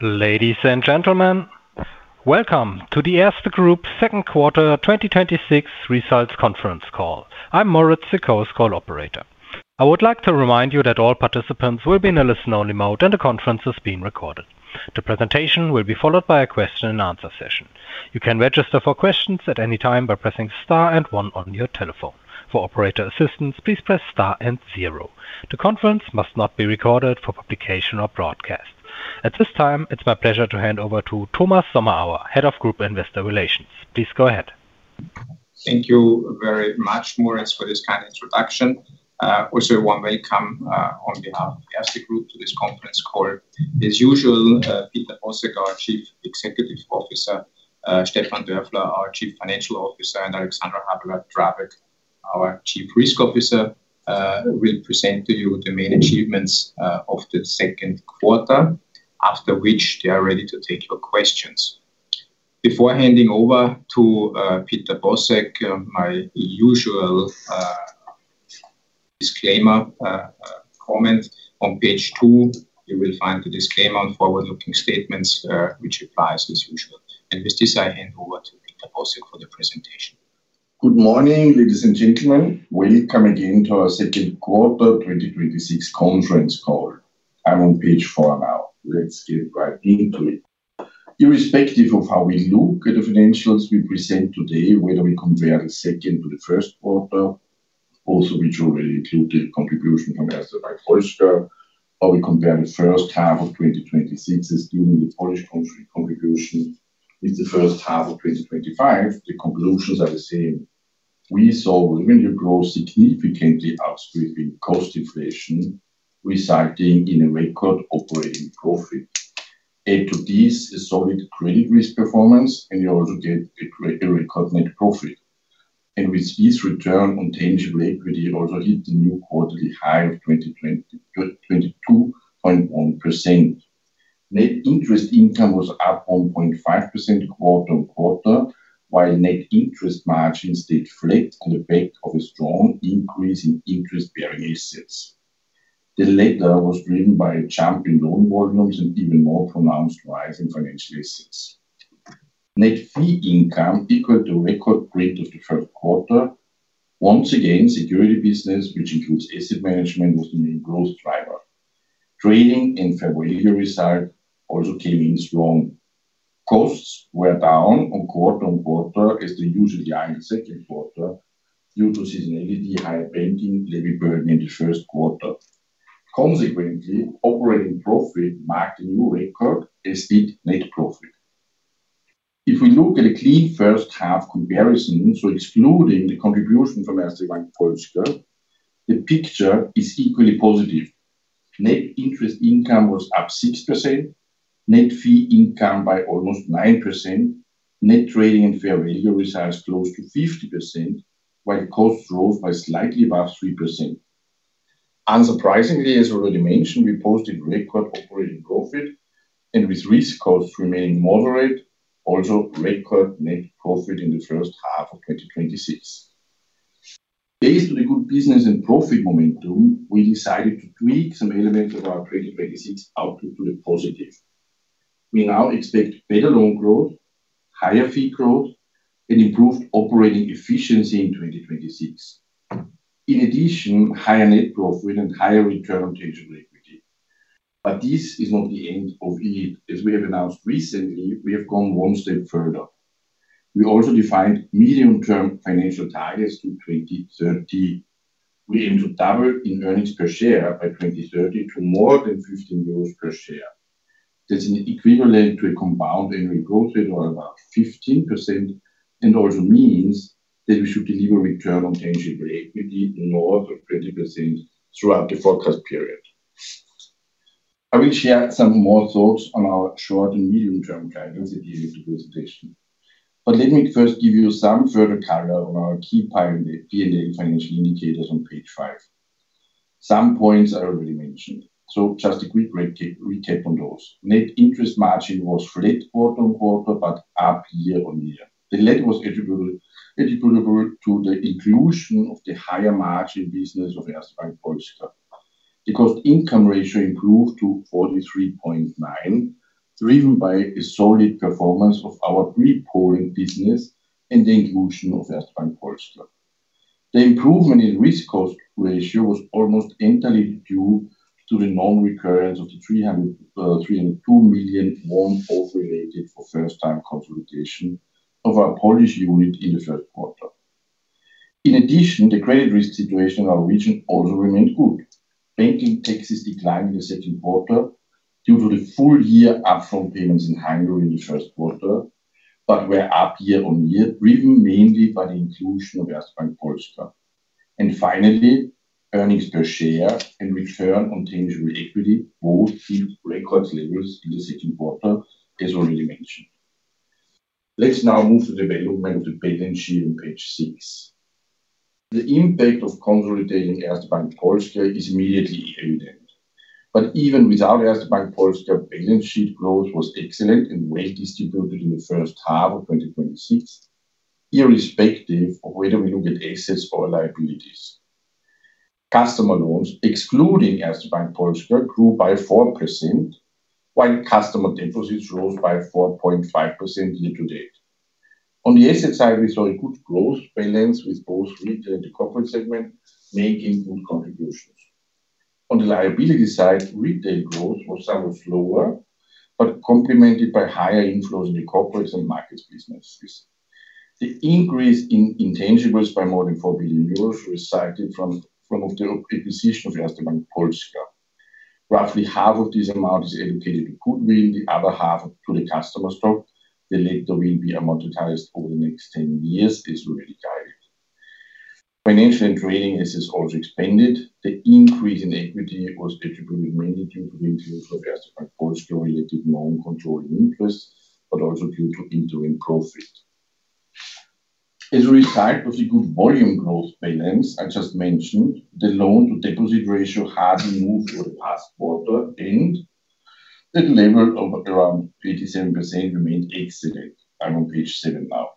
Ladies and gentlemen, welcome to the Erste Group Second Quarter 2026 Results Conference Call. I'm Moritz, the Co-call Operator. I would like to remind you that all participants will be in a listen-only mode and the conference is being recorded. The presentation will be followed by a question and answer session. You can register for questions at any time by pressing star and one on your telephone. For operator assistance, please press star and zero. The conference must not be recorded for publication or broadcast. At this time, it's my pleasure to hand over to Thomas Sommerauer, Head of Group Investor Relations. Please go ahead. Thank you very much, Moritz, for this kind introduction. Also want to welcome on behalf of the Erste Group to this conference call. As usual, Peter Bosek, our Chief Executive Officer, Stefan Dörfler, our Chief Financial Officer, and Alexandra Habeler-Drabek, our Chief Risk Officer will present to you the main achievements of the second quarter, after which they are ready to take your questions. Before handing over to Peter Bosek, my usual disclaimer comment. On page two, you will find the disclaimer on forward-looking statements, which applies as usual. With this, I hand over to Peter Bosek for the presentation. Good morning, ladies and gentlemen. Welcome again to our second quarter 2026 conference call. I'm on page four now. Let's get right into it. Irrespective of how we look at the financials we present today, whether we compare the second to the first quarter, also which already include the contribution from Erste Bank Polska, or we compare the first half of 2026 excluding the Polish contribution with the first half of 2025, the conclusions are the same. We saw revenue growth significantly outstripping cost inflation, resulting in a record operating profit. Add to this a solid credit risk performance, you also get a great record net profit. With this return on tangible equity also hit the new quarterly high of 22.1%. Net interest income was up 1.5% quarter-on-quarter, while net interest margins stayed flat on the back of a strong increase in interest-bearing assets. The latter was driven by a jump in loan volumes and even more pronounced rise in financial assets. Net fee income equaled a record rate of the third quarter. Once again, security business, which includes asset management, was the main growth driver. Trading and fair value result also came in strong. Costs were down on quarter-on-quarter as they usually are in the second quarter due to seasonality higher banking levy burden in the first quarter. Consequently, operating profit marked a new record as did net profit. If we look at a clean first half comparison, excluding the contribution from Erste Bank Polska, the picture is equally positive. Net interest income was up 6%, net fee income by almost 9%, net trading and fair value results close to 50%, while costs rose by slightly above 3%. Unsurprisingly, as already mentioned, we posted record operating profit and with risk costs remaining moderate, also record net profit in the first half of 2026. Based on the good business and profit momentum, we decided to tweak some elements of our 2026 outlook to the positive. We now expect better loan growth, higher fee growth, and improved operating efficiency in 2026. In addition, higher net profit and higher return on tangible equity. This is not the end of it. As we have announced recently, we have gone one step further. We also defined medium-term financial targets to 2030. We aim to double in earnings per share by 2030 to more than 15 euros per share. That's an equivalent to a compound annual growth rate of about 15% and also means that we should deliver return on tangible equity north of 20% throughout the forecast period. I will share some more thoughts on our short and medium-term guidance at the end of the presentation. Let me first give you some further color on our key P&L financial indicators on page five. Some points I already mentioned. Just a quick recap on those. Net interest margin was flat quarter-on-quarter, up year-on-year. The latter was attributable to the inclusion of the higher margin business of Erste Bank Polska. The cost-income ratio improved to 43.9%, driven by a solid performance of our pre-pooling business and the inclusion of Erste Bank Polska. The improvement in risk cost ratio was almost entirely due to the non-recurrence of the EUR 302 million one-off related for first-time consolidation of our Polish unit in the first quarter. In addition, the credit risk situation in our region also remained good. Banking taxes declined in the second quarter due to the full year upfront payments in Hungary in the first quarter, were up year-on-year, driven mainly by the inclusion of Erste Bank Polska. Finally, earnings per share and return on tangible equity both hit record levels in the second quarter, as already mentioned. Let's now move to the development of the balance sheet on page six. The impact of consolidating Erste Bank Polska is immediately evident. Even without Erste Bank Polska, balance sheet growth was excellent and well distributed in the first half of 2026, irrespective of whether we look at assets or liabilities. Customer loans, excluding Erste Bank Polska, grew by 4%, while customer deposits rose by 4.5% year-to-date. On the asset side, we saw a good growth balance with both retail and the corporate segment making good contributions. On the liability side, retail growth was somewhat slower, complemented by higher inflows in the corporates and markets businesses. The increase in intangibles by more than 4 billion euros resulted from the acquisition of Erste Bank Polska. Roughly half of this amount is allocated to goodwill, the other half to the customer stock. The latter will be amortized over the next 10 years, as already guided. Financial and trading assets also expanded. The increase in equity was attributed mainly to the inclusion of Erste Bank Polska related non-controlling interest, also due to interim profit. As a result of the good volume growth balance I just mentioned, the loan-to-deposit ratio hardly moved over the past quarter and the level of around 87% remained excellent. I'm on page seven now.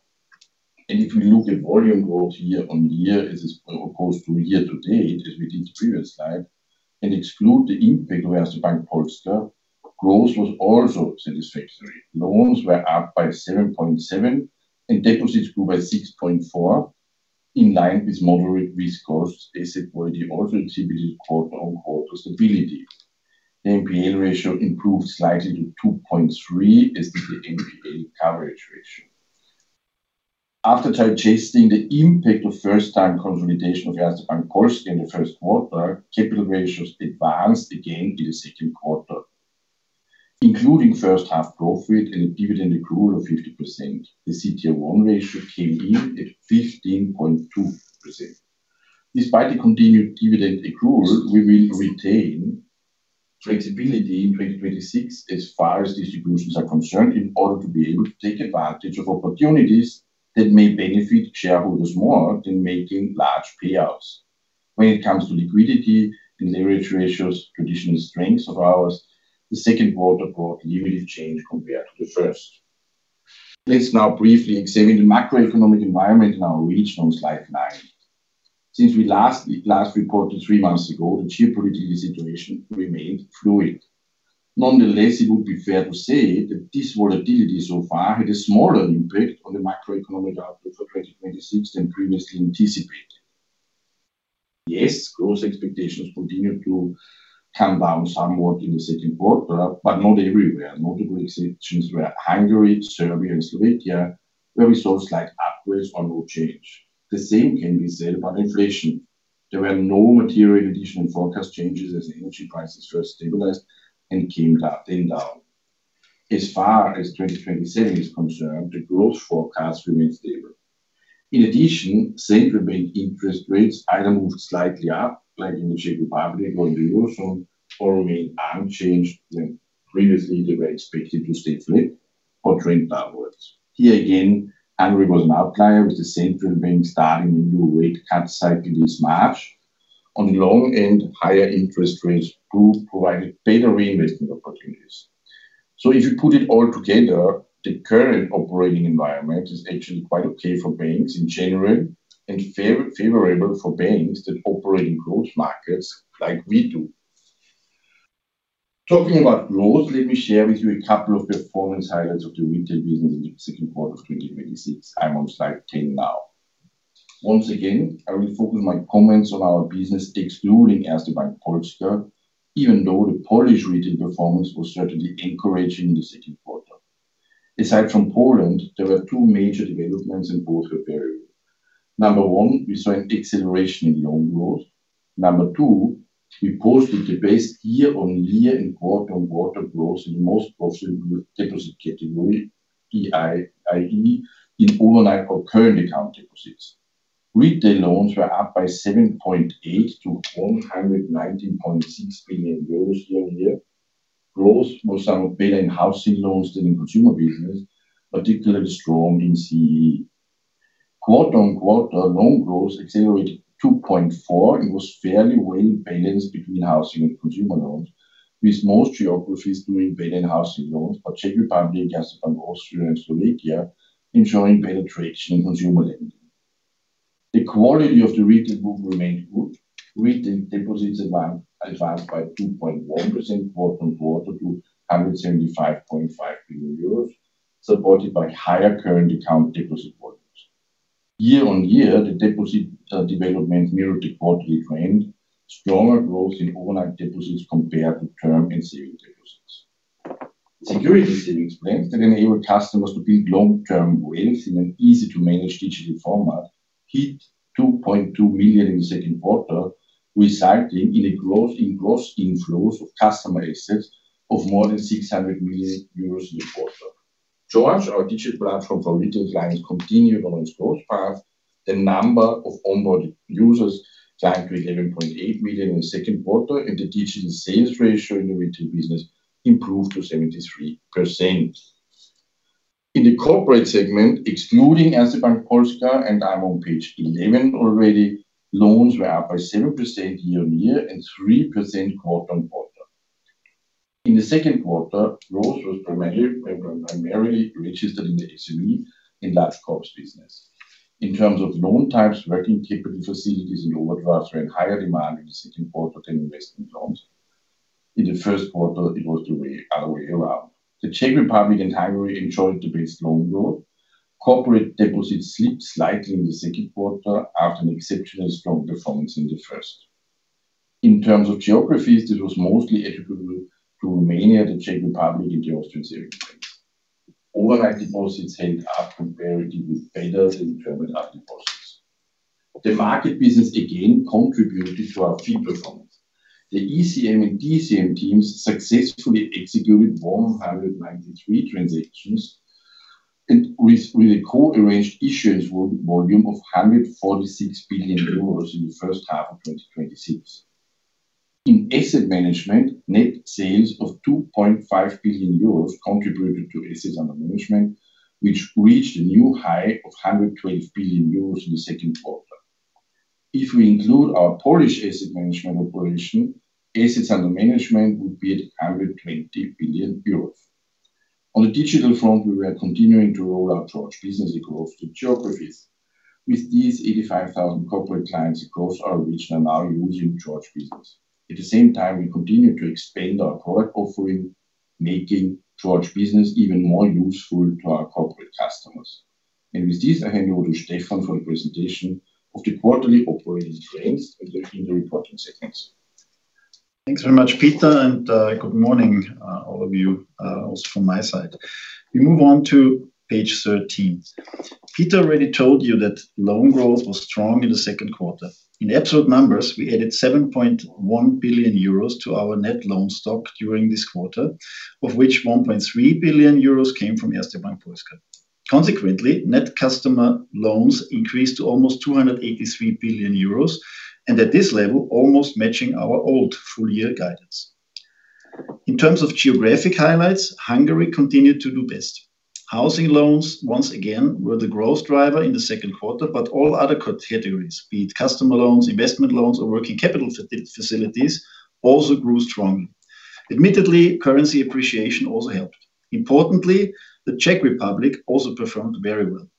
If we look at volume growth year-on-year as opposed to year-to-date, as we did the previous slide, exclude the impact of Erste Bank Polska, growth was also satisfactory. Loans were up by 7.7% and deposits grew by 6.4%, in line with moderate risk costs. Asset quality also contributed quarter-on-quarter stability. The NPL ratio improved slightly to 2.3% as did the [inaudible] coverage ratio. After digesting the impact of first time consolidation of Erste Bank Polska in the first quarter, capital ratios advanced again in the second quarter. Including first half profit and dividend accrual of 50%, the CET1 ratio came in at 15.2%. Despite the continued dividend accrual, we will retain flexibility in 2026 as far as distributions are concerned, in order to be able to take advantage of opportunities that may benefit shareholders more than making large payouts. When it comes to liquidity and leverage ratios, traditional strengths of ours, the second quarter brought limited change compared to the first. Let us now briefly examine the macroeconomic environment in our region on slide nine. Since we last reported three months ago, the geopolitical situation remained fluid. Nonetheless, it would be fair to say that this volatility so far had a smaller impact on the macroeconomic outlook for 2026 than previously anticipated. Yes, growth expectations continued to come down somewhat in the second quarter, but not everywhere. Multiple exceptions were Hungary, Serbia and Slovakia, where we saw slight upwards on raw change. The same can be said about inflation. There were no material additional forecast changes as energy prices first stabilized, then came down. As far as 2027 is concerned, the growth forecast remains stable. In addition, central bank interest rates either moved slightly up, like in the Czech Republic or in the Eurozone, or remained unchanged when previously they were expected to stay flat or trend downwards. Here again, Hungary was an outlier, with the central bank starting a new rate cut cycle this March. On the long end, higher interest rates proved provided better reinvestment opportunities. If you put it all together, the current operating environment is actually quite okay for banks in general and favorable for banks that operate in growth markets like we do. Talking about growth, let me share with you a couple of performance highlights of the retail business in the second quarter of 2026. I am on slide 10 now. Once again, I will focus my comments on our business excluding Erste Bank Polska, even though the Polish retail performance was certainly encouraging in the second quarter. Aside from Poland, there were two major developments in both the period. Number one, we saw an acceleration in loan growth. Number two, we posted the best year-on-year and quarter-on-quarter growth in the most profitable deposit category, i.e., in overnight or current account deposits. Retail loans were up by 7.8% to 119.6 billion euros year-on-year. Growth was somewhat better in housing loans than in consumer business, particularly strong in CEE. Quarter-on-quarter, loan growth accelerated 2.4% and was fairly well balanced between housing and consumer loans, with most geographies doing better in housing loans. Czech Republic, Erste Bank Österreich and Slovakia, ensuring penetration in consumer lending. The quality of the retail book remained good. Retail deposits advanced by 2.1% quarter-on-quarter to 175.5 billion euros, supported by higher current account deposit volumes. Year-on-year, the deposit development mirrored the quarterly trend. Stronger growth in overnight deposits compared to term and saving deposits. Securities savings plans that enable customers to build long-term wealth in an easy-to-manage digital format hit 2.2 million in the second quarter, resulting in a growth in gross inflows of customer excess of more than 600 million euros in the quarter. George, our digital platform for retail clients, continued on its growth path. The number of onboarded users climbed to 11.8 million in the second quarter, and the digital sales ratio in the retail business improved to 73%. In the corporate segment, excluding Erste Bank Polska, and I am on page 11 already, loans were up by 7% year-over-year and 3% quarter-over-quarter. In the second quarter, growth was primarily registered in the SME and large corp business. In terms of loan types, working capital facilities and overdraft were in higher demand in the second quarter than investment loans. In the first quarter, it was the other way around. The Czech Republic and Hungary enjoyed the best loan growth. Corporate deposits slipped slightly in the second quarter after an exceptional strong performance in the first. In terms of geographies, it was mostly attributable to Romania, the Czech Republic, and the Austrian segment. Overnight deposits held up comparatively better than term deposits. The market business again contributed to our fee performance. The ECM and DCM teams successfully executed more than 193 transactions, and with a co-arranged issuance volume of 146 billion euros in the first half of 2026. In asset management, net sales of 2.5 billion euros contributed to assets under management, which reached a new high of 112 billion euros in the second quarter. If we include our Polish asset management operation, assets under management would be at 120 billion euros. On the digital front, we were continuing to roll out George Business across the geographies. With this, 85,000 corporate clients across our region are now using George Business. At the same time, we continue to expand our product offering, making George Business even more useful to our corporate customers. With this, I hand you over to Stefan for a presentation of the quarterly operating trends in the reporting segments. Thanks very much, Peter, and good morning all of you also from my side. We move on to page 13. Peter already told you that loan growth was strong in the second quarter. In absolute numbers, we added 7.1 billion euros to our net loan stock during this quarter, of which 1.3 billion euros came from Erste Bank Polska. Consequently, net customer loans increased to almost 283 billion euros, and at this level, almost matching our old full year guidance. In terms of geographic highlights, Hungary continued to do best. Housing loans, once again, were the growth driver in the second quarter, but all other categories, be it customer loans, investment loans, or working capital facilities, also grew strongly. Admittedly, currency appreciation also helped. Importantly, the Czech Republic also performed very well.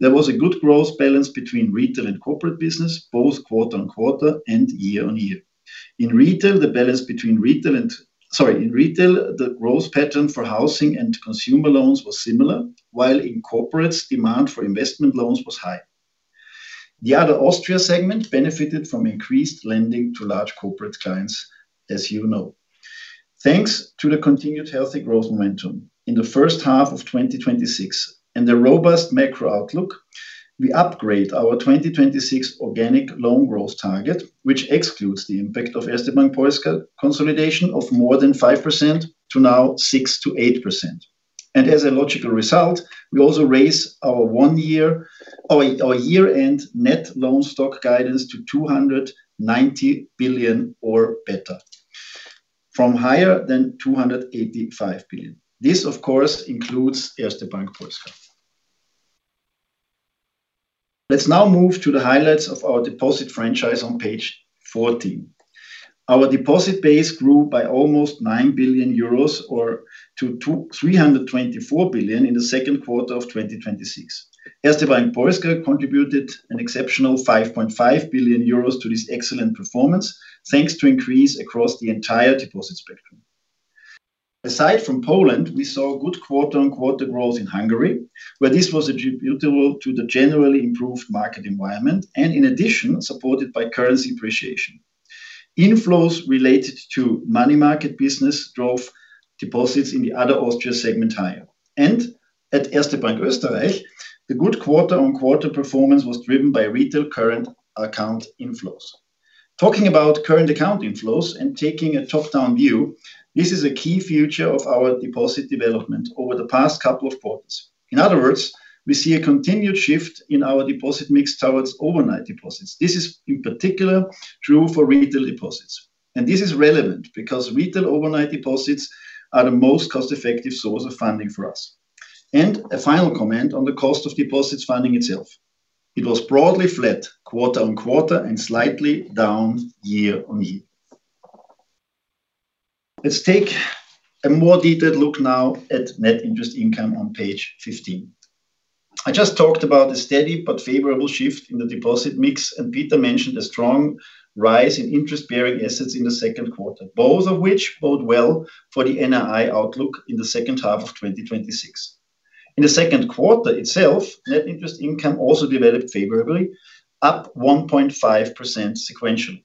There was a good growth balance between retail and corporate business, both quarter-on-quarter and year-on-year. In retail, the growth pattern for housing and consumer loans was similar, while in corporates, demand for investment loans was high. The Other Austria segment benefited from increased lending to large corporate clients, as you know. Thanks to the continued healthy growth momentum in the first half of 2026 and the robust macro outlook, we upgrade our 2026 organic loan growth target, which excludes the impact of Erste Bank Polska consolidation of more than 5% to now 6%-8%. As a logical result, we also raise our year-end net loan stock guidance to 290 billion or better from higher than 285 billion. This, of course, includes Erste Bank Polska. Let's now move to the highlights of our deposit franchise on page 14. Our deposit base grew by almost 9 billion euros or to 324 billion in the second quarter of 2026. Erste Bank Polska contributed an exceptional 5.5 billion euros to this excellent performance, thanks to increase across the entire deposit spectrum. Aside from Poland, we saw good quarter-on-quarter growth in Hungary, where this was attributable to the generally improved market environment and in addition, supported by currency appreciation. Inflows related to money market business drove deposits in the Other Austria segment higher. At Erste Bank Österreich, the good quarter-on-quarter performance was driven by retail current account inflows. Talking about current account inflows and taking a top-down view, this is a key feature of our deposit development over the past couple of quarters. In other words, we see a continued shift in our deposit mix towards overnight deposits. This is in particular true for retail deposits. This is relevant because retail overnight deposits are the most cost-effective source of funding for us. A final comment on the cost of deposits funding itself. It was broadly flat quarter-on-quarter and slightly down year-on-year. Let's take a more detailed look now at net interest income on page 15. I just talked about the steady but favorable shift in the deposit mix, and Peter mentioned a strong rise in interest-bearing assets in the second quarter, both of which bode well for the NII outlook in the second half of 2026. In the second quarter itself, net interest income also developed favorably, up 1.5% sequentially.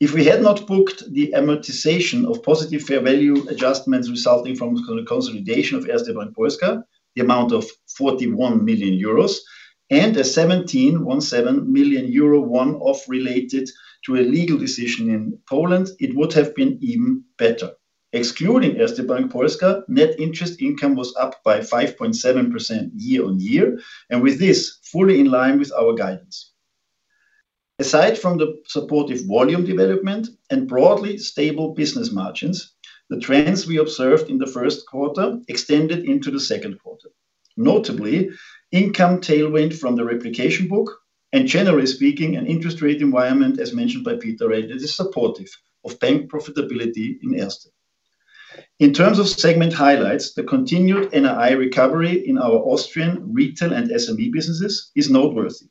If we had not booked the amortization of positive fair value adjustments resulting from the consolidation of Erste Bank Polska, the amount of 41 million euros, and a 17 million euro one-off related to a legal decision in Poland, it would have been even better. Excluding Erste Bank Polska, net interest income was up by 5.7% year-on-year, and with this, fully in line with our guidance. Aside from the supportive volume development and broadly stable business margins, the trends we observed in the first quarter extended into the second quarter. Notably, income tailwind from the replication book, and generally speaking, an interest rate environment, as mentioned by Peter, that is supportive of bank profitability in Erste. In terms of segment highlights, the continued NII recovery in our Austrian retail and SME businesses is noteworthy.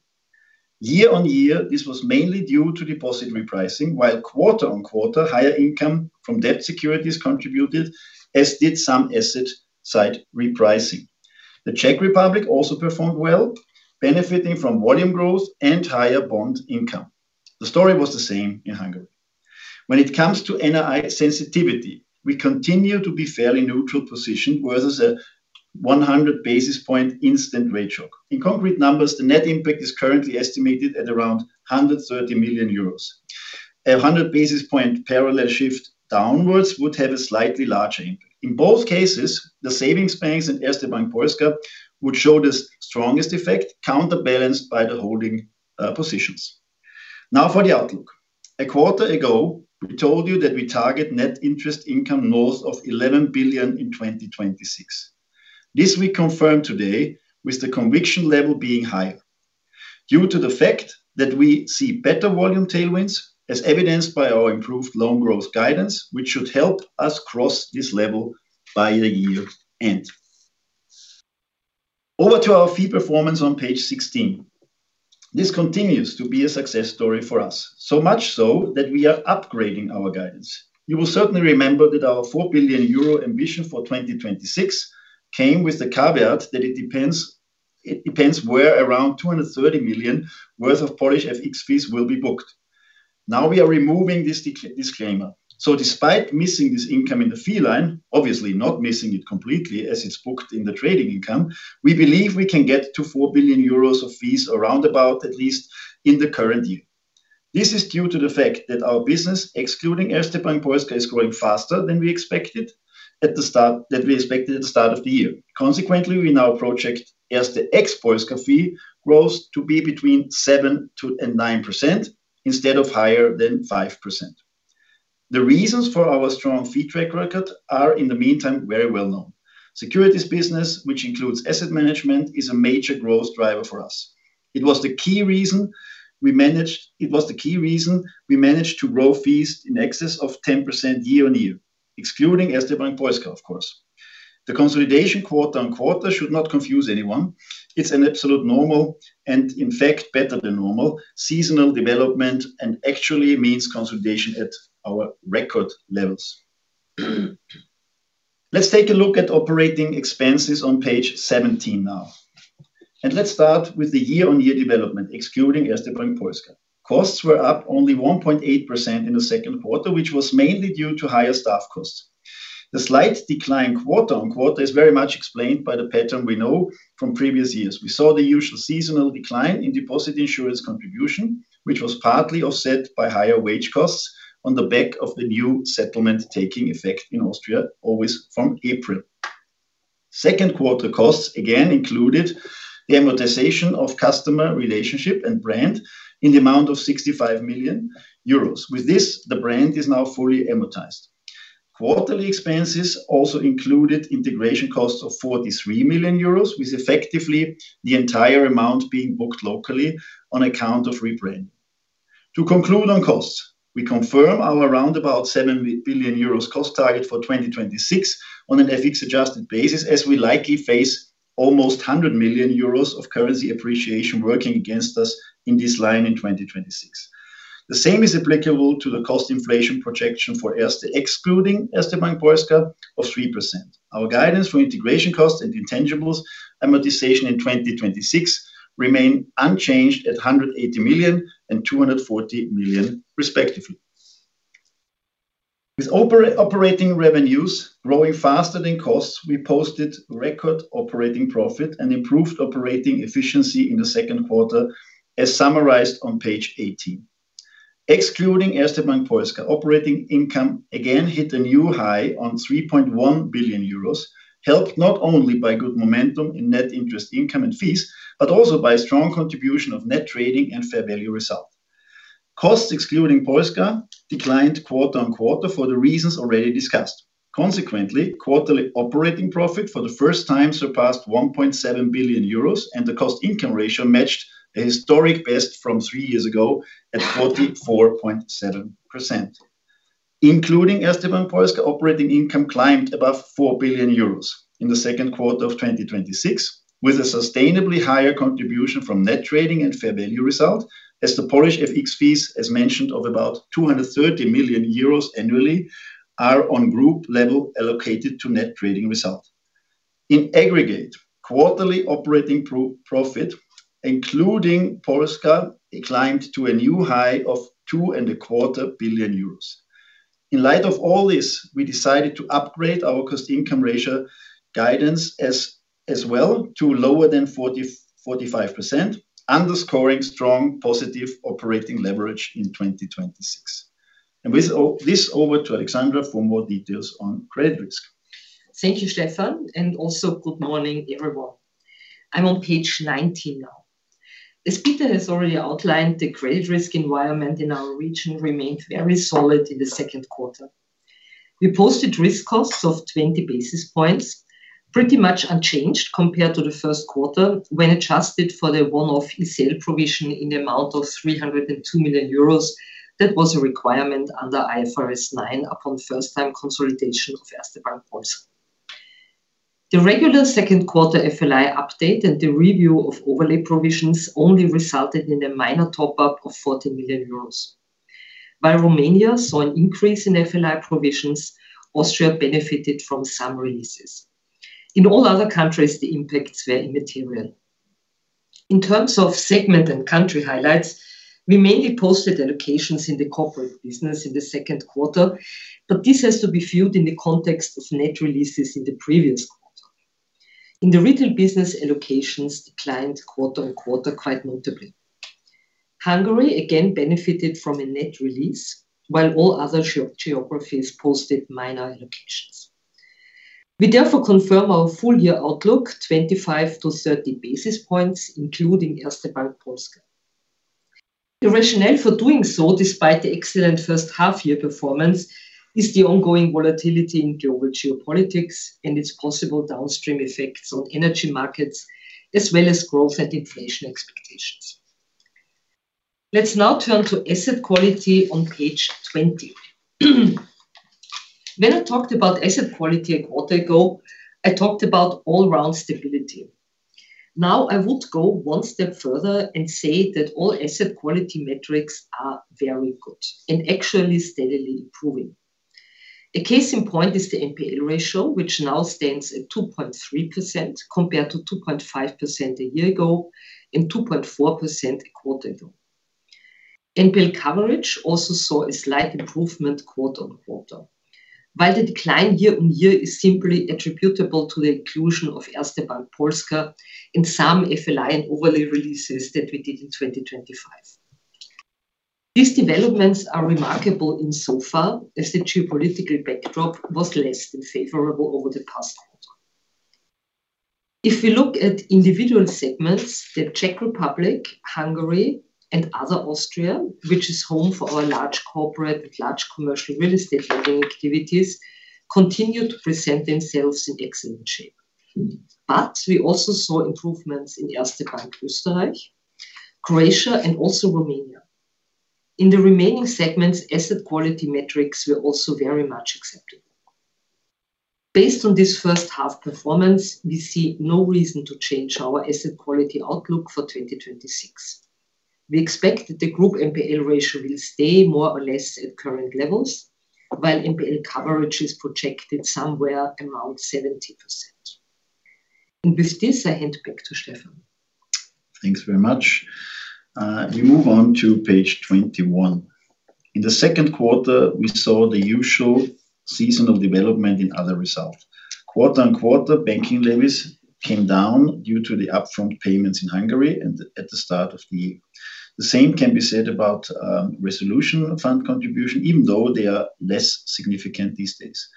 Year-on-year, this was mainly due to deposit repricing, while quarter-on-quarter, higher income from debt securities contributed, as did some asset side repricing. The Czech Republic also performed well, benefiting from volume growth and higher bond income. The story was the same in Hungary. When it comes to NII sensitivity, we continue to be fairly neutral positioned versus a 100 basis point instant rate shock. In concrete numbers, the net impact is currently estimated at around 130 million euros. A 100 basis point parallel shift downwards would have a slightly larger impact. In both cases, the savings banks in Erste Bank Polska would show the strongest effect, counterbalanced by the holding positions. Now for the outlook. A quarter ago, we told you that we target net interest income north of 11 billion in 2026. This we confirm today with the conviction level being high. Due to the fact that we see better volume tailwinds, as evidenced by our improved loan growth guidance, which should help us cross this level by the year-end. Over to our fee performance on page 16. This continues to be a success story for us, so much so that we are upgrading our guidance. You will certainly remember that our 4 billion euro ambition for 2026 came with the caveat that it depends where around 230 million worth of Polish FX fees will be booked. Now we are removing this disclaimer. Despite missing this income in the fee line, obviously not missing it completely as it's booked in the trading income, we believe we can get to 4 billion euros of fees around about at least in the current year. This is due to the fact that our business, excluding Erste Bank Polska, is growing faster than we expected at the start of the year. Consequently, we now project Erste ex Polska fee growth to be between 7%-9%, instead of higher than 5%. The reasons for our strong fee track record are, in the meantime, very well known. Securities business, which includes asset management, is a major growth driver for us. It was the key reason we managed to grow fees in excess of 10% year-on-year, excluding Erste Bank Polska, of course. The consolidation quarter-on-quarter should not confuse anyone. It's an absolute normal, and in fact better than normal, seasonal development and actually means consolidation at our record levels. Let's take a look at operating expenses on page 17 now. Let's start with the year-on-year development, excluding Erste Bank Polska. Costs were up only 1.8% in the second quarter, which was mainly due to higher staff costs. The slight decline quarter-on-quarter is very much explained by the pattern we know from previous years. We saw the usual seasonal decline in deposit insurance contribution, which was partly offset by higher wage costs on the back of the new settlement taking effect in Austria, always from April. Second quarter costs again included the amortization of customer relationship and brand in the amount of 65 million euros. With this, the brand is now fully amortized. Quarterly expenses also included integration costs of 43 million euros, with effectively the entire amount being booked locally on account of rebranding. To conclude on costs, we confirm our round about 7 billion euros cost target for 2026 on an FX-adjusted basis, as we likely face almost 100 million euros of currency appreciation working against us in this line in 2026. The same is applicable to the cost inflation projection for Erste, excluding Erste Bank Polska, of 3%. Our guidance for integration costs and intangibles amortization in 2026 remain unchanged at 180 million and 240 million respectively. With operating revenues growing faster than costs, we posted record operating profit and improved operating efficiency in the second quarter, as summarized on page 18. Excluding Erste Bank Polska, operating income again hit a new high on 3.1 billion euros, helped not only by good momentum in net interest income and fees, but also by strong contribution of net trading and fair value result. Costs excluding Polska declined quarter-on-quarter for the reasons already discussed. Consequently, quarterly operating profit for the first time surpassed 1.7 billion euros, and the cost-income ratio matched a historic best from three years ago at 44.7%. Including Erste Bank Polska operating income climbed above 4 billion euros in the second quarter of 2026, with a sustainably higher contribution from net trading and fair value result as the Polish FX fees, as mentioned, of about 230 million euros annually, are on group level allocated to net trading result. In aggregate, quarterly operating profit including Polska climbed to a new high of 2.25 billion euros. In light of all this, we decided to upgrade our cost-income ratio guidance as well to lower than 45%, underscoring strong positive operating leverage in 2026. With this, over to Alexandra for more details on credit risk. Thank you, Stefan, and also good morning, everyone. I'm on page 19 now. As Peter has already outlined, the credit risk environment in our region remained very solid in the second quarter. We posted risk costs of 20 basis points, pretty much unchanged compared to the first quarter when adjusted for the one-off ECL provision in the amount of 302 million euros. That was a requirement under IFRS 9 upon first-time consolidation of Erste Bank Polska. The regular second quarter FLI update and the review of overlay provisions only resulted in a minor top-up of 40 million euros. While Romania saw an increase in FLI provisions, Austria benefited from some releases. In all other countries, the impacts were immaterial. In terms of segment and country highlights, we mainly posted allocations in the corporate business in the second quarter, but this has to be viewed in the context of net releases in the previous quarter. In the retail business, allocations declined quarter-on-quarter quite notably. Hungary again benefited from a net release, while all other geographies posted minor allocations. We therefore confirm our full-year outlook 25-30 basis points, including Erste Bank Polska. The rationale for doing so, despite the excellent first half-year performance, is the ongoing volatility in global geopolitics and its possible downstream effects on energy markets, as well as growth and inflation expectations. Let's now turn to asset quality on page 20. When I talked about asset quality a quarter ago, I talked about all-round stability. Now, I would go one step further and say that all asset quality metrics are very good and actually steadily improving. A case in point is the NPL ratio, which now stands at 2.3% compared to 2.5% a year ago, and 2.4% a quarter ago. NPL coverage also saw a slight improvement quarter-on-quarter, while the decline year-on-year is simply attributable to the inclusion of Erste Bank Polska and some FLI and overlay releases that we did in 2025. These developments are remarkable insofar as the geopolitical backdrop was less than favorable over the past quarter. If we look at individual segments, the Czech Republic, Hungary, and Other Austria, which is home for our large corporate and large commercial real estate lending activities, continue to present themselves in excellent shape. But we also saw improvements in Erste Bank Österreich, Croatia, and also Romania. In the remaining segments, asset quality metrics were also very much acceptable. Based on this first half performance, we see no reason to change our asset quality outlook for 2026. We expect that the group NPL ratio will stay more or less at current levels, while NPL coverage is projected somewhere around 70%. With this, I hand back to Stefan. Thanks very much. We move on to page 21. In the second quarter, we saw the usual seasonal development in other results. Quarter-on-quarter, banking levies came down due to the upfront payments in Hungary and at the start of the year. The same can be said about resolution fund contribution, even though they are less significant these days.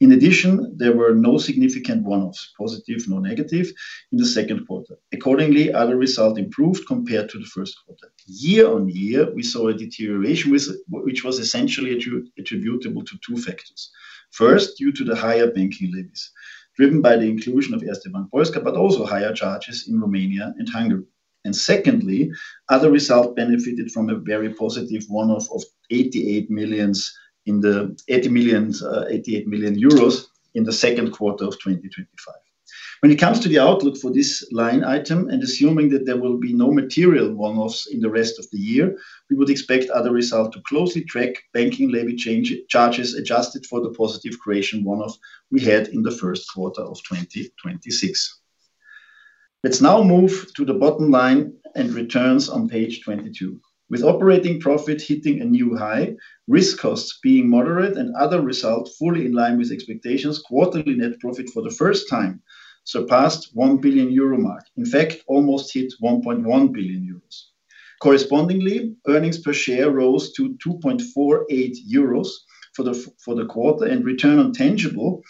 In addition, there were no significant one-offs, positive nor negative, in the second quarter. Accordingly, other results improved compared to the first quarter. Year-on-year, we saw a deterioration which was essentially attributable to two factors. First, due to the higher banking levies driven by the inclusion of Erste Bank Polska, but also higher charges in Romania and Hungary. Secondly, other results benefited from a very positive one-off of 88 million in the second quarter of 2025. When it comes to the outlook for this line item, and assuming that there will be no material one-offs in the rest of the year, we would expect other results to closely track banking levy charges adjusted for the positive creation one-off we had in the first quarter of 2026. Let's now move to the bottom line and returns on page 22. With operating profit hitting a new high, risk costs being moderate, and other results fully in line with expectations, quarterly net profit for the first time surpassed 1 billion euro mark. In fact, almost hit 1.1 billion euros. Correspondingly, earnings per share rose to 2.48 euros for the quarter, and return on tangible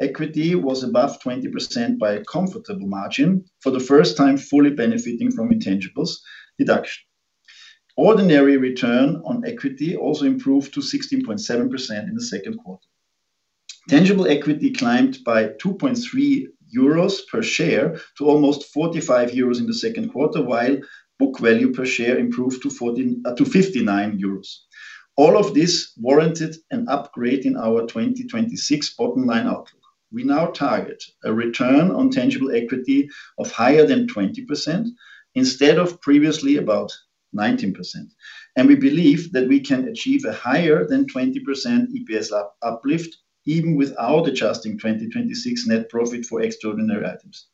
equity was above 20% by a comfortable margin for the first time, fully benefiting from intangibles deduction. Ordinary return on equity also improved to 16.7% in the second quarter. Tangible equity climbed by 2.3 euros per share to almost 45 euros in the second quarter, while book value per share improved to 59 euros. All of this warranted an upgrade in our 2026 bottom line outlook. We now target a return on tangible equity of higher than 20%, instead of previously about 19%, and we believe that we can achieve a higher than 20% EPS uplift even without adjusting 2026 net profit for extraordinary items.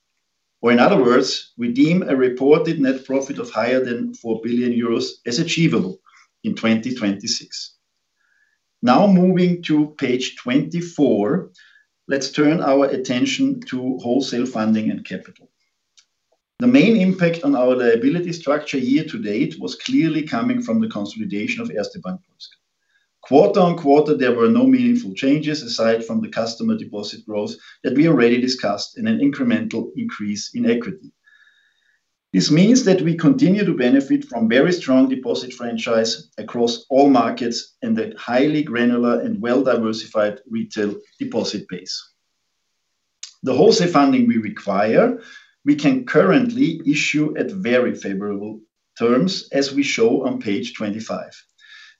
In other words, we deem a reported net profit of higher than 4 billion euros as achievable in 2026. Moving to page 24, let's turn our attention to wholesale funding and capital. The main impact on our liability structure year to date was clearly coming from the consolidation of Erste Bank Polska. Quarter-on-quarter, there were no meaningful changes aside from the customer deposit growth that we already discussed in an incremental increase in equity. This means that we continue to benefit from very strong deposit franchise across all markets and the highly granular and well-diversified retail deposit base. The wholesale funding we require, we can currently issue at very favorable terms as we show on page 25.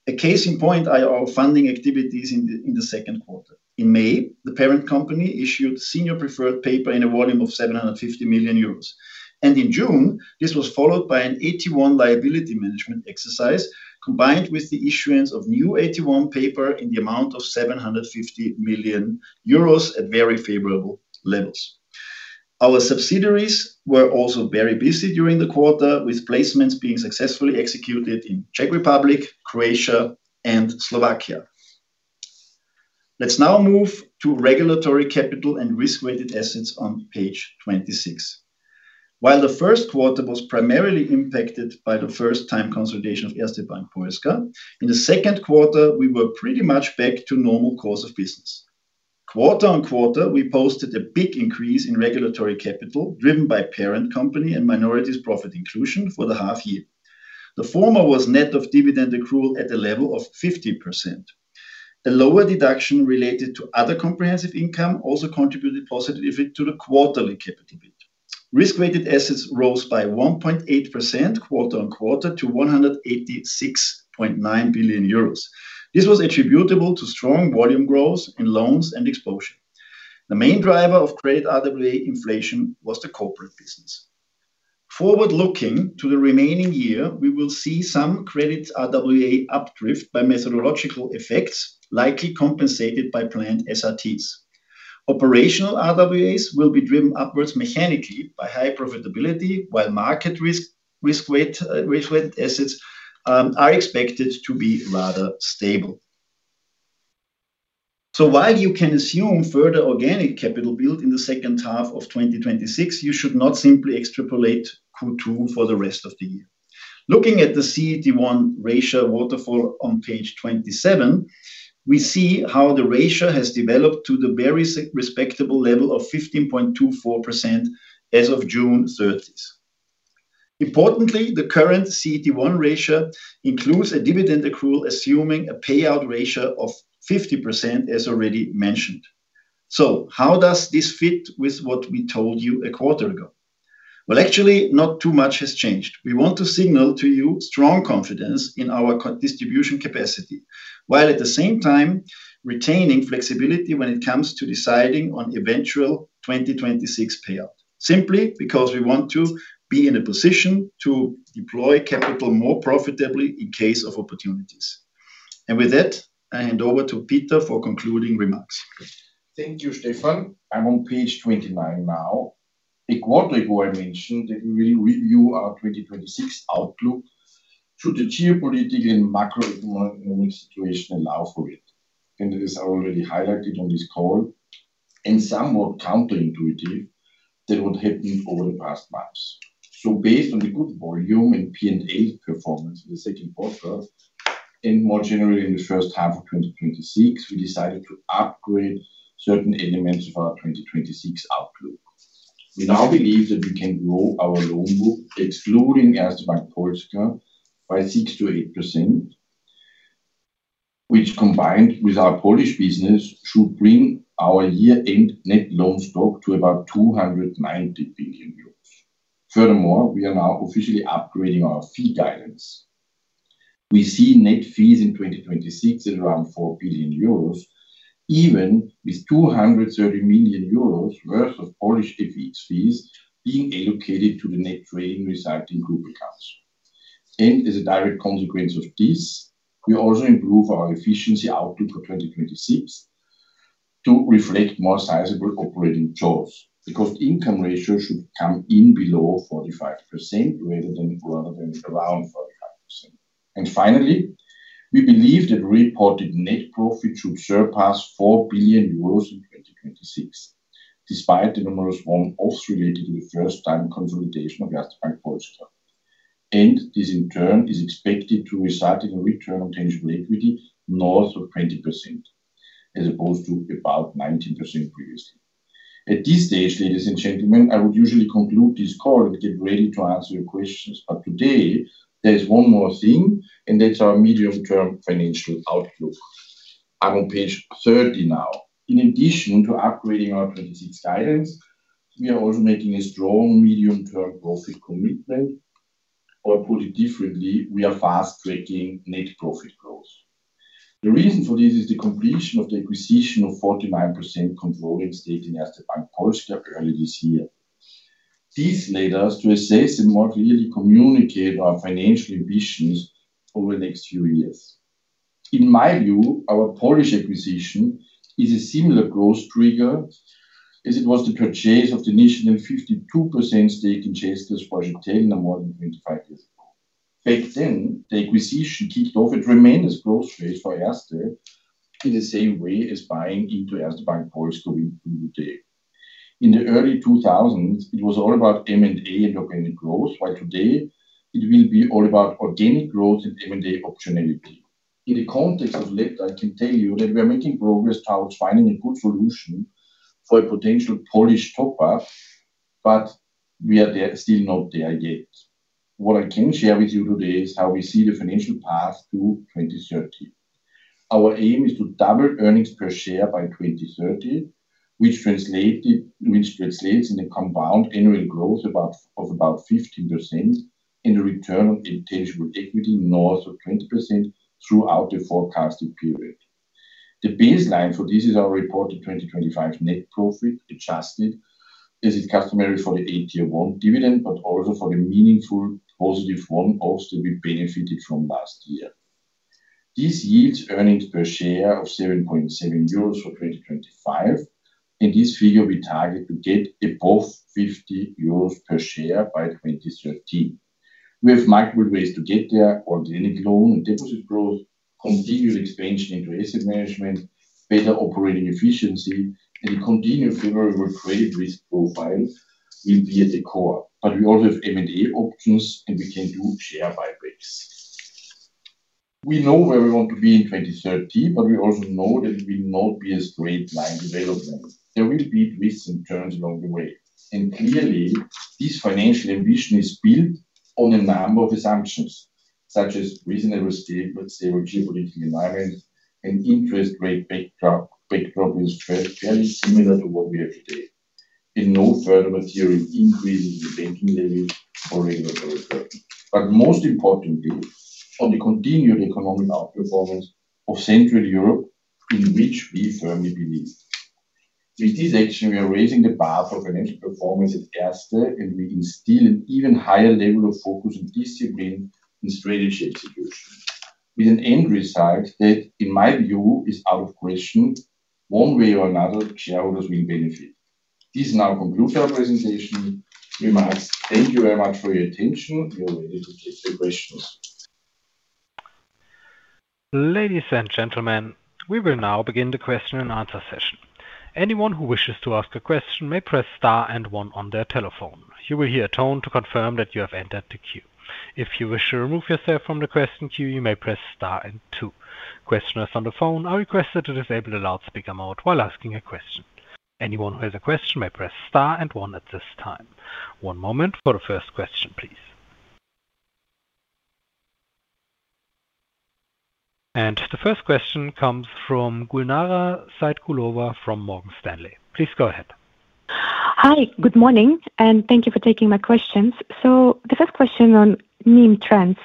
A case in point are our funding activities in the second quarter. In May, the parent company issued senior preferred paper in a volume of 750 million euros. In June, this was followed by an AT1 liability management exercise, combined with the issuance of new AT1 paper in the amount of 750 million euros at very favorable levels. Our subsidiaries were also very busy during the quarter, with placements being successfully executed in Czech Republic, Croatia, and Slovakia. Let's now move to regulatory capital and risk-weighted assets on page 26. While the first quarter was primarily impacted by the first-time consolidation of Erste Bank Polska, in the second quarter, we were pretty much back to normal course of business. Quarter-on-quarter, we posted a big increase in regulatory capital driven by parent company and minorities' profit inclusion for the half year. The former was net of dividend accrual at a level of 50%. A lower deduction related to other comprehensive income also contributed positively to the quarterly capital build. Risk-weighted assets rose by 1.8% quarter-on-quarter to 186.9 billion euros. This was attributable to strong volume growth in loans and exposure. The main driver of credit RWA inflation was the corporate business. Forward-looking to the remaining year, we will see some credit RWA updrift by methodological effects, likely compensated by planned SRTs. Operational RWAs will be driven upwards mechanically by high profitability, while market risk-weighted assets are expected to be rather stable. While you can assume further organic capital build in the second half of 2026, you should not simply extrapolate Q2 for the rest of the year. Looking at the CET1 ratio waterfall on page 27, we see how the ratio has developed to the very respectable level of 15.24% as of June 30th. Importantly, the current CET1 ratio includes a dividend accrual assuming a payout ratio of 50%, as already mentioned. How does this fit with what we told you a quarter ago? Actually, not too much has changed. We want to signal to you strong confidence in our distribution capacity, while at the same time retaining flexibility when it comes to deciding on eventual 2026 payout. Simply because we want to be in a position to deploy capital more profitably in case of opportunities. With that, I hand over to Peter for concluding remarks. Thank you, Stefan. I am on page 29 now. A quarter ago, I mentioned that we will review our 2026 outlook should the geopolitical and macroeconomic situation allow for it. As I already highlighted on this call, and somewhat counterintuitive than what happened over the past months. Based on the good volume and P&L performance in the second quarter, and more generally in the first half of 2026, we decided to upgrade certain elements of our 2026 outlook. We now believe that we can grow our loan book, excluding Erste Bank Polska, by 6%-8%, which combined with our Polish business, should bring our year-end net loan stock to about 290 billion euros. Furthermore, we are now officially upgrading our fee guidance. We see net fees in 2026 at around 4 billion euros, even with 230 million euros worth of Polish FX fees being allocated to the net trade residing group accounts. As a direct consequence of this, we also improve our efficiency outlook for 2026 to reflect more sizable operating jaws, because income ratio should come in below 45% rather than around 45%. Finally, we believe that reported net profit should surpass 4 billion euros in 2026, despite the numerous one-offs related to the first time consolidation of Erste Bank Polska. This in turn is expected to result in a return on tangible equity north of 20%, as opposed to about 19% previously. At this stage, ladies and gentlemen, I would usually conclude this call and get ready to answer your questions. Today, there is one more thing, and that is our medium-term financial outlook. I am on page 30 now. In addition to upgrading our 2026 guidance, we are also making a strong medium-term profit commitment, or put it differently, we are fast-tracking net profit growth. The reason for this is the completion of the acquisition of 49% controlling stake in Erste Bank Polska early this year. This led us to assess and more clearly communicate our financial ambitions over the next few years. In my view, our Polish acquisition is a similar growth trigger as it was the purchase of the initial 52% stake in Cetelem in more than 25 years ago. Back then, the acquisition kicked off and remained as growth phase for Erste in the same way as buying into Erste Bank Polska will do today. In the early 2000s, it was all about M&A and organic growth, while today it will be all about organic growth and M&A optionality. In the context of the latter, I can tell you that we are making progress towards finding a good solution for a potential Polish top-up, but we are still not there yet. What I can share with you today is how we see the financial path to 2030. Our aim is to double earnings per share by 2030, which translates in a compound annual growth of about 15% and a return on tangible equity north of 20% throughout the forecasting period. The baseline for this is our reported 2025 net profit adjusted, as is customary for the AT1 dividend, but also for the meaningful positive one also we benefited from last year. This yields earnings per share of 7.70 euros for 2025, and this figure we target to get above 15 euros per share by 2030. We have multiple ways to get there. Organic loan and deposit growth, continued expansion into asset management, better operating efficiency, and continued favorable credit risk profile will be at the core. But we also have M&A options, and we can do share buybacks. We know where we want to be in 2030, but we also know that it will not be a straight line development. There will be twists and turns along the way, and clearly this financial ambition is built on a number of assumptions, such as reasonably stable geopolitical environment and interest rate backdrop will stay fairly similar to what we have today. No further material increase in the banking levies or regulatory burden. Most importantly, on the continued economic outperformance of Central Europe, in which we firmly believe. With this action, we are raising the bar for financial performance at Erste, and we instill an even higher level of focus and discipline in strategy execution with an end result that, in my view, is out of question, one way or another, shareholders will benefit. This now concludes our presentation. We much thank you very much for your attention. We are ready to take your questions. Ladies and gentlemen, we will now begin the question and answer session. Anyone who wishes to ask a question may press star and one on their telephone. You will hear a tone to confirm that you have entered the queue. If you wish to remove yourself from the question queue, you may press star and two. Questioners on the phone are requested to disable the loudspeaker mode while asking a question. Anyone who has a question may press star and one at this time. One moment for the first question, please. The first question comes from Gulnara Saitkulova from Morgan Stanley. Please go ahead. Hi. Good morning, and thank you for taking my questions. The first question on NIM trends.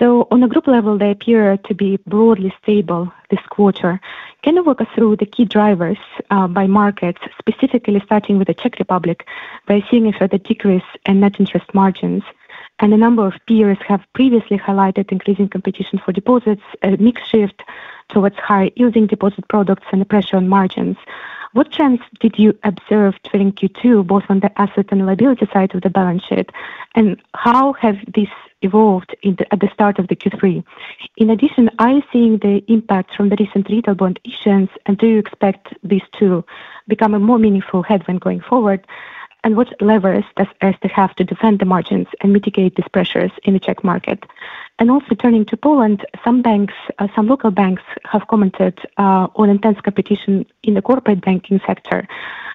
On a group level, they appear to be broadly stable this quarter. Can you walk us through the key drivers, by markets, specifically starting with the Czech Republic by seeing a further decrease in net interest margins? A number of peers have previously highlighted increasing competition for deposits, a mix shift towards higher yielding deposit products, and the pressure on margins. What trends did you observe during Q2, both on the asset and liability side of the balance sheet, and how have these evolved at the start of the Q3? In addition, are you seeing the impact from the recent retail bond issuance, and do you expect this to become a more meaningful headwind going forward? What levers does Erste have to defend the margins and mitigate these pressures in the Czech market? Turning to Poland, some local banks have commented on intense competition in the corporate banking sector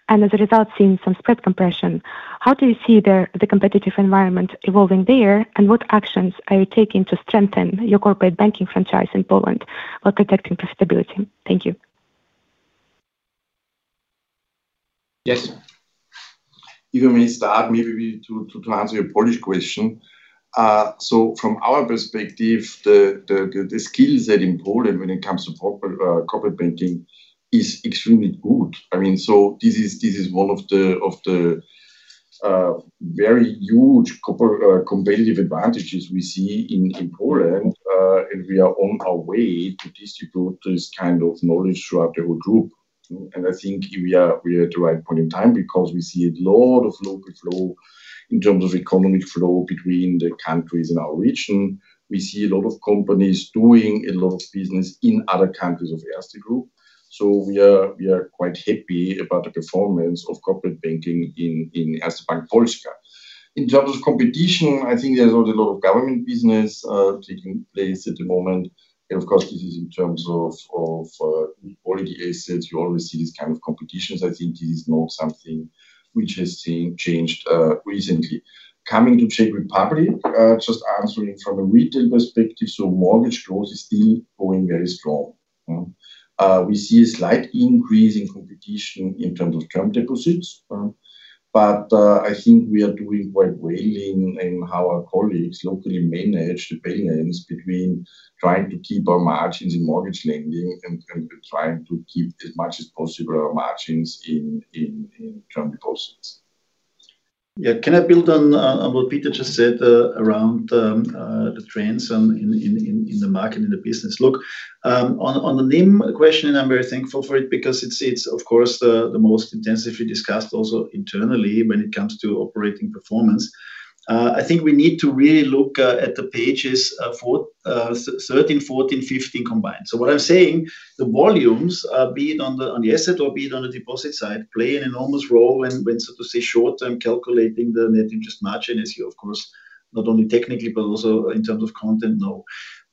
and as a result, seen some spread compression. How do you see the competitive environment evolving there, and what actions are you taking to strengthen your corporate banking franchise in Poland while protecting profitability? Thank you. To answer your Polish question. From our perspective, the skill set in Poland when it comes to corporate banking is extremely good. This is one of the very huge competitive advantages we see in Poland. We are on our way to distribute this kind of knowledge throughout the whole group. I think we are at the right point in time because we see a lot of local flow in terms of economic flow between the countries in our region. We see a lot of companies doing a lot of business in other countries of Erste Group. We are quite happy about the performance of corporate banking in Erste Bank Polska. In terms of competition, I think there's also a lot of government business taking place at the moment. Of course, this is in terms of already assets. You always see this kind of competition. I think this is not something which has changed recently. Coming to Czech Republic, just answering from a retail perspective, mortgage growth is still going very strong. We see a slight increase in competition in terms of term deposits. I think we are doing quite well in how our colleagues locally manage the balance between trying to keep our margins in mortgage lending and trying to keep as much as possible our margins in term deposits. Yeah. Can I build on what Peter just said around the trends in the market, in the business? Look, on the NIM question, I'm very thankful for it because it's of course, the most intensively discussed also internally when it comes to operating performance. I think we need to really look at the pages 13, 14, 15 combined. What I'm saying, the volumes, be it on the asset or be it on the deposit side, play an enormous role when, so to say, short-term calculating the net interest margin, as you of course Not only technically, but also in terms of content, no.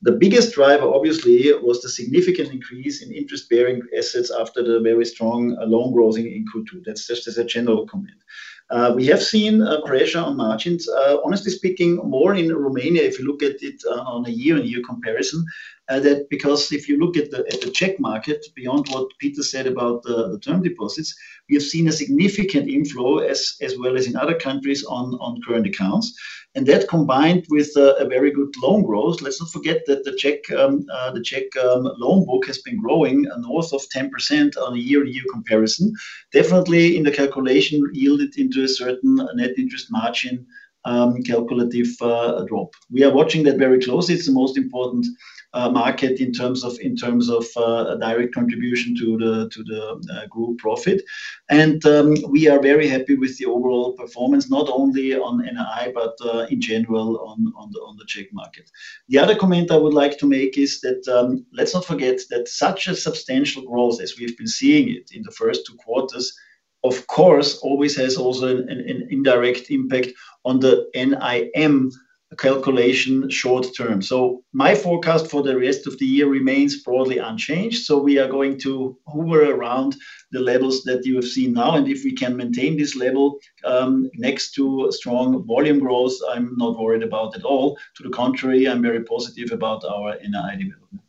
The biggest driver, obviously, was the significant increase in interest-bearing assets after the very strong loan growth in Q2. That's just as a general comment. We have seen pressure on margins. Honestly speaking, more in Romania, if you look at it on a year-on-year comparison. If you look at the Czech market, beyond what Peter said about the term deposits, we have seen a significant inflow, as well as in other countries, on current accounts. That combined with a very good loan growth. Let's not forget that the Czech loan book has been growing north of 10% on a year-on-year comparison. Definitely in the calculation yielded into a certain net interest margin calculative drop. We are watching that very closely. It's the most important market in terms of direct contribution to the Group profit. We are very happy with the overall performance, not only on NII, but in general on the Czech market. The other comment I would like to make is that, let's not forget that such a substantial growth as we've been seeing it in the first two quarters, of course, always has also an indirect impact on the NIM calculation short-term. My forecast for the rest of the year remains broadly unchanged. We are going to hover around the levels that you have seen now, and if we can maintain this level next to strong volume growth, I'm not worried about at all. To the contrary, I'm very positive about our NII development.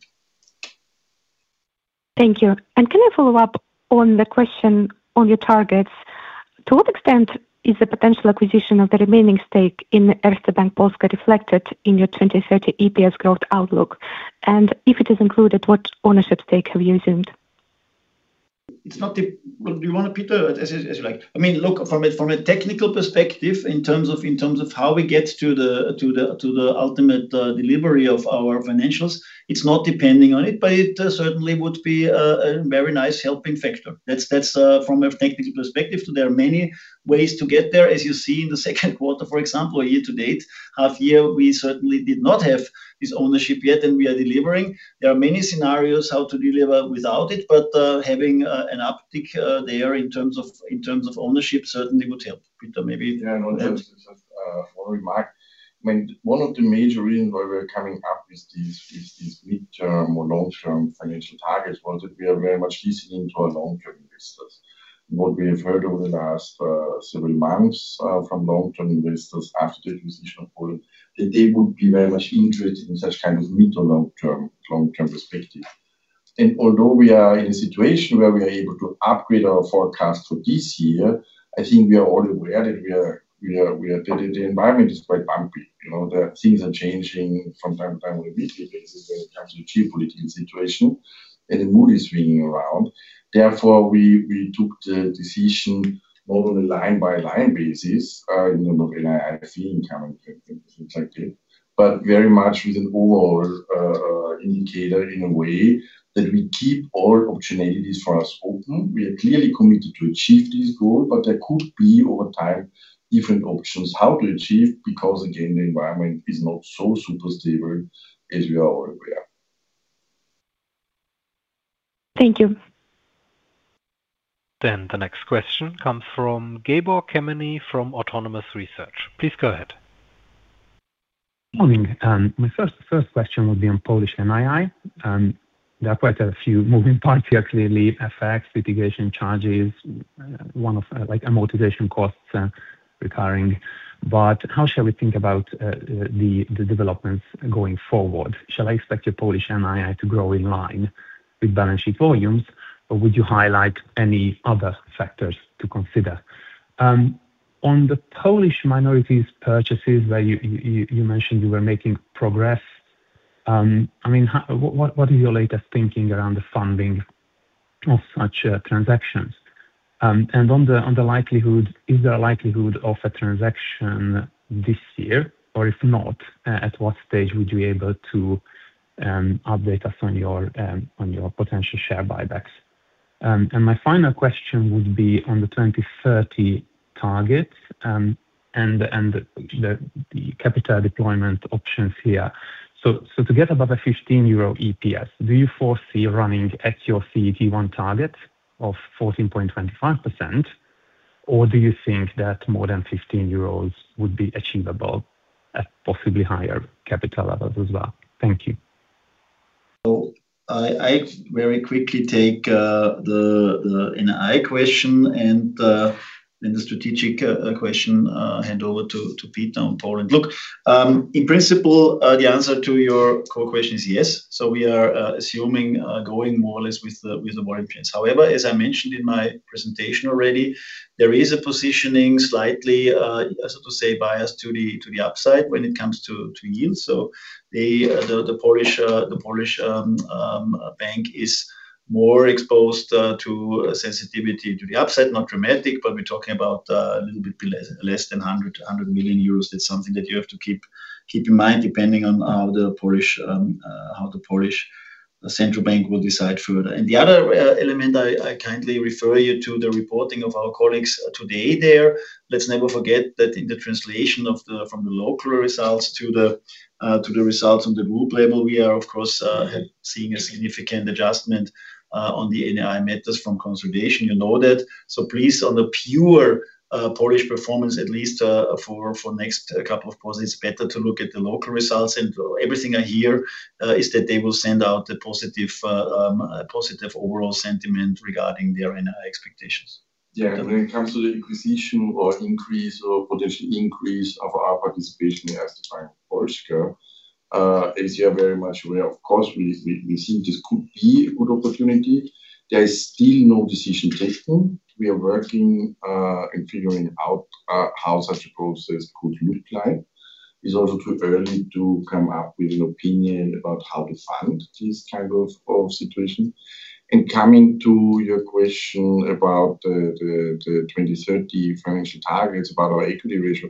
Thank you. Can I follow up on the question on your targets? To what extent is the potential acquisition of the remaining stake in Erste Bank Polska reflected in your 2030 EPS growth outlook? If it is included, what ownership stake have you assumed? Do you want to, Peter? As you like. Look, from a technical perspective, in terms of how we get to the ultimate delivery of our financials, it's not depending on it, but it certainly would be a very nice helping factor. That's from a technical perspective. There are many ways to get there, as you see in the second quarter, for example, or year to date. Half-year, we certainly did not have this ownership yet, and we are delivering. There are many scenarios how to deliver without it, but having an uptick there in terms of ownership certainly would help. Peter, maybe- Yeah. No, just a follow-up remark. One of the major reasons why we're coming up with these midterm or long-term financial targets was that we are very much listening to our long-term investors. What we have heard over the last several months from long-term investors after the decision of Poland, that they would be very much interested in such kind of mid- or long-term perspective. Although we are in a situation where we are able to upgrade our forecast for this year, I think we are all aware that the environment is quite bumpy. Things are changing from time to time on a weekly basis when it comes to geopolitical situation, and the mood is swinging around. Therefore, we took the decision more on a line-by-line basis, not only NII, but very much with an overall indicator in a way that we keep all opportunities for us open. We are clearly committed to achieve this goal, there could be, over time, different options how to achieve, because again, the environment is not so super stable, as we are all aware. Thank you. The next question comes from Gábor Kemény from Autonomous Research. Please go ahead. Morning. My first question would be on Polish NII. There are quite a few moving parts here, clearly, FX, litigation charges, amortization costs recurring. How shall we think about the developments going forward? Shall I expect the Polish NII to grow in line with balance sheet volumes, or would you highlight any other factors to consider? On the Polish minorities purchases where you mentioned you were making progress, what is your latest thinking around the funding of such transactions? On the likelihood, is there a likelihood of a transaction this year? If not, at what stage would you be able to update us on your potential share buybacks? My final question would be on the 2030 targets, and the capital deployment options here. To get above a 15 euro EPS, do you foresee running at your CET1 target of 14.25%? Do you think that more than 15 euros would be achievable at possibly higher capital levels as well? Thank you. I very quickly take the NII question and the strategic question, hand over to Peter on Poland. Look, in principle, the answer to your core question is yes. We are assuming going more or less with the volume trends. However, as I mentioned in my presentation already, there is a positioning slightly, so to say, biased to the upside when it comes to yield. The Polish bank is more exposed to sensitivity to the upside, not dramatic, but we are talking about a little bit less than 100 million euros. That is something that you have to keep in mind depending on how the Polish central bank will decide further. The other element, I kindly refer you to the reporting of our colleagues today there. Let's never forget that in the translation from the local results to the results on the group level, we are, of course, seeing a significant adjustment on the NII methods from consolidation. You know that. Please, on the pure Polish performance, at least for next couple of quarters, it's better to look at the local results. Everything I hear is that they will send out a positive overall sentiment regarding their NII expectations. When it comes to the acquisition or potential increase of our participation in Erste Bank Polska, as you are very much aware, of course, we think this could be a good opportunity. There is still no decision taken. We are working and figuring out how such a process could look like. It's also too early to come up with an opinion about how to fund this kind of situation. Coming to your question about the 2030 financial targets about our equity ratio.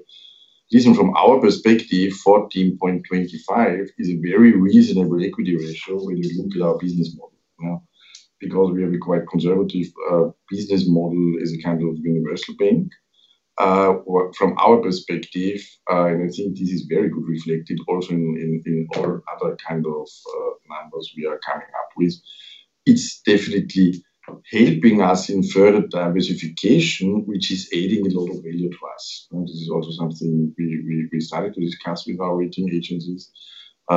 Listen, from our perspective, 14.25% is a very reasonable equity ratio when you look at our business model. We have a quite conservative business model as a kind of universal bank. From our perspective, I think this is very good reflected also in all other kind of numbers we are coming up with. It's definitely helping us in further diversification, which is adding a lot of value to us. This is also something we started to discuss with our rating agencies. We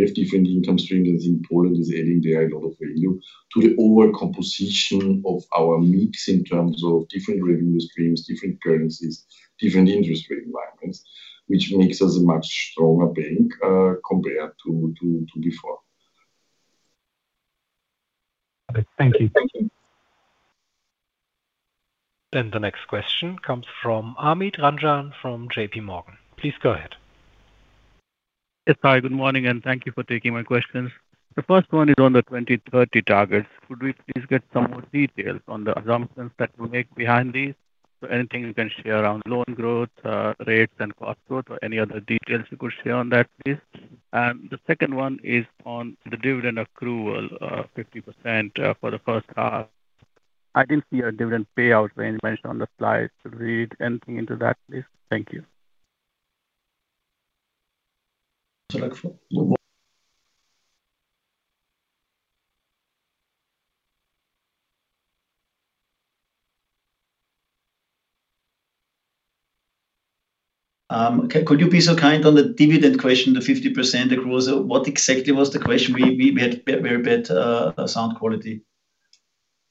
have different income streams, in Poland is adding there a lot of value to the overall composition of our mix in terms of different revenue streams, different currencies, different industry environments, which makes us a much stronger bank compared to before. Thank you. The next question comes from Amit Ranjan from JPMorgan. Please go ahead. Yes. Hi, good morning, and thank you for taking my questions. The first one is on the 2030 targets. Could we please get some more details on the assumptions that you make behind these? Anything you can share around loan growth, rates and cost growth, or any other details you could share on that, please. The second one is on the dividend accrual, 50% for the first half. I didn't see a dividend payout range mentioned on the slide. Should we read anything into that, please? Thank you. Could you be so kind on the dividend question, the 50% accrual? What exactly was the question? We had very bad sound quality.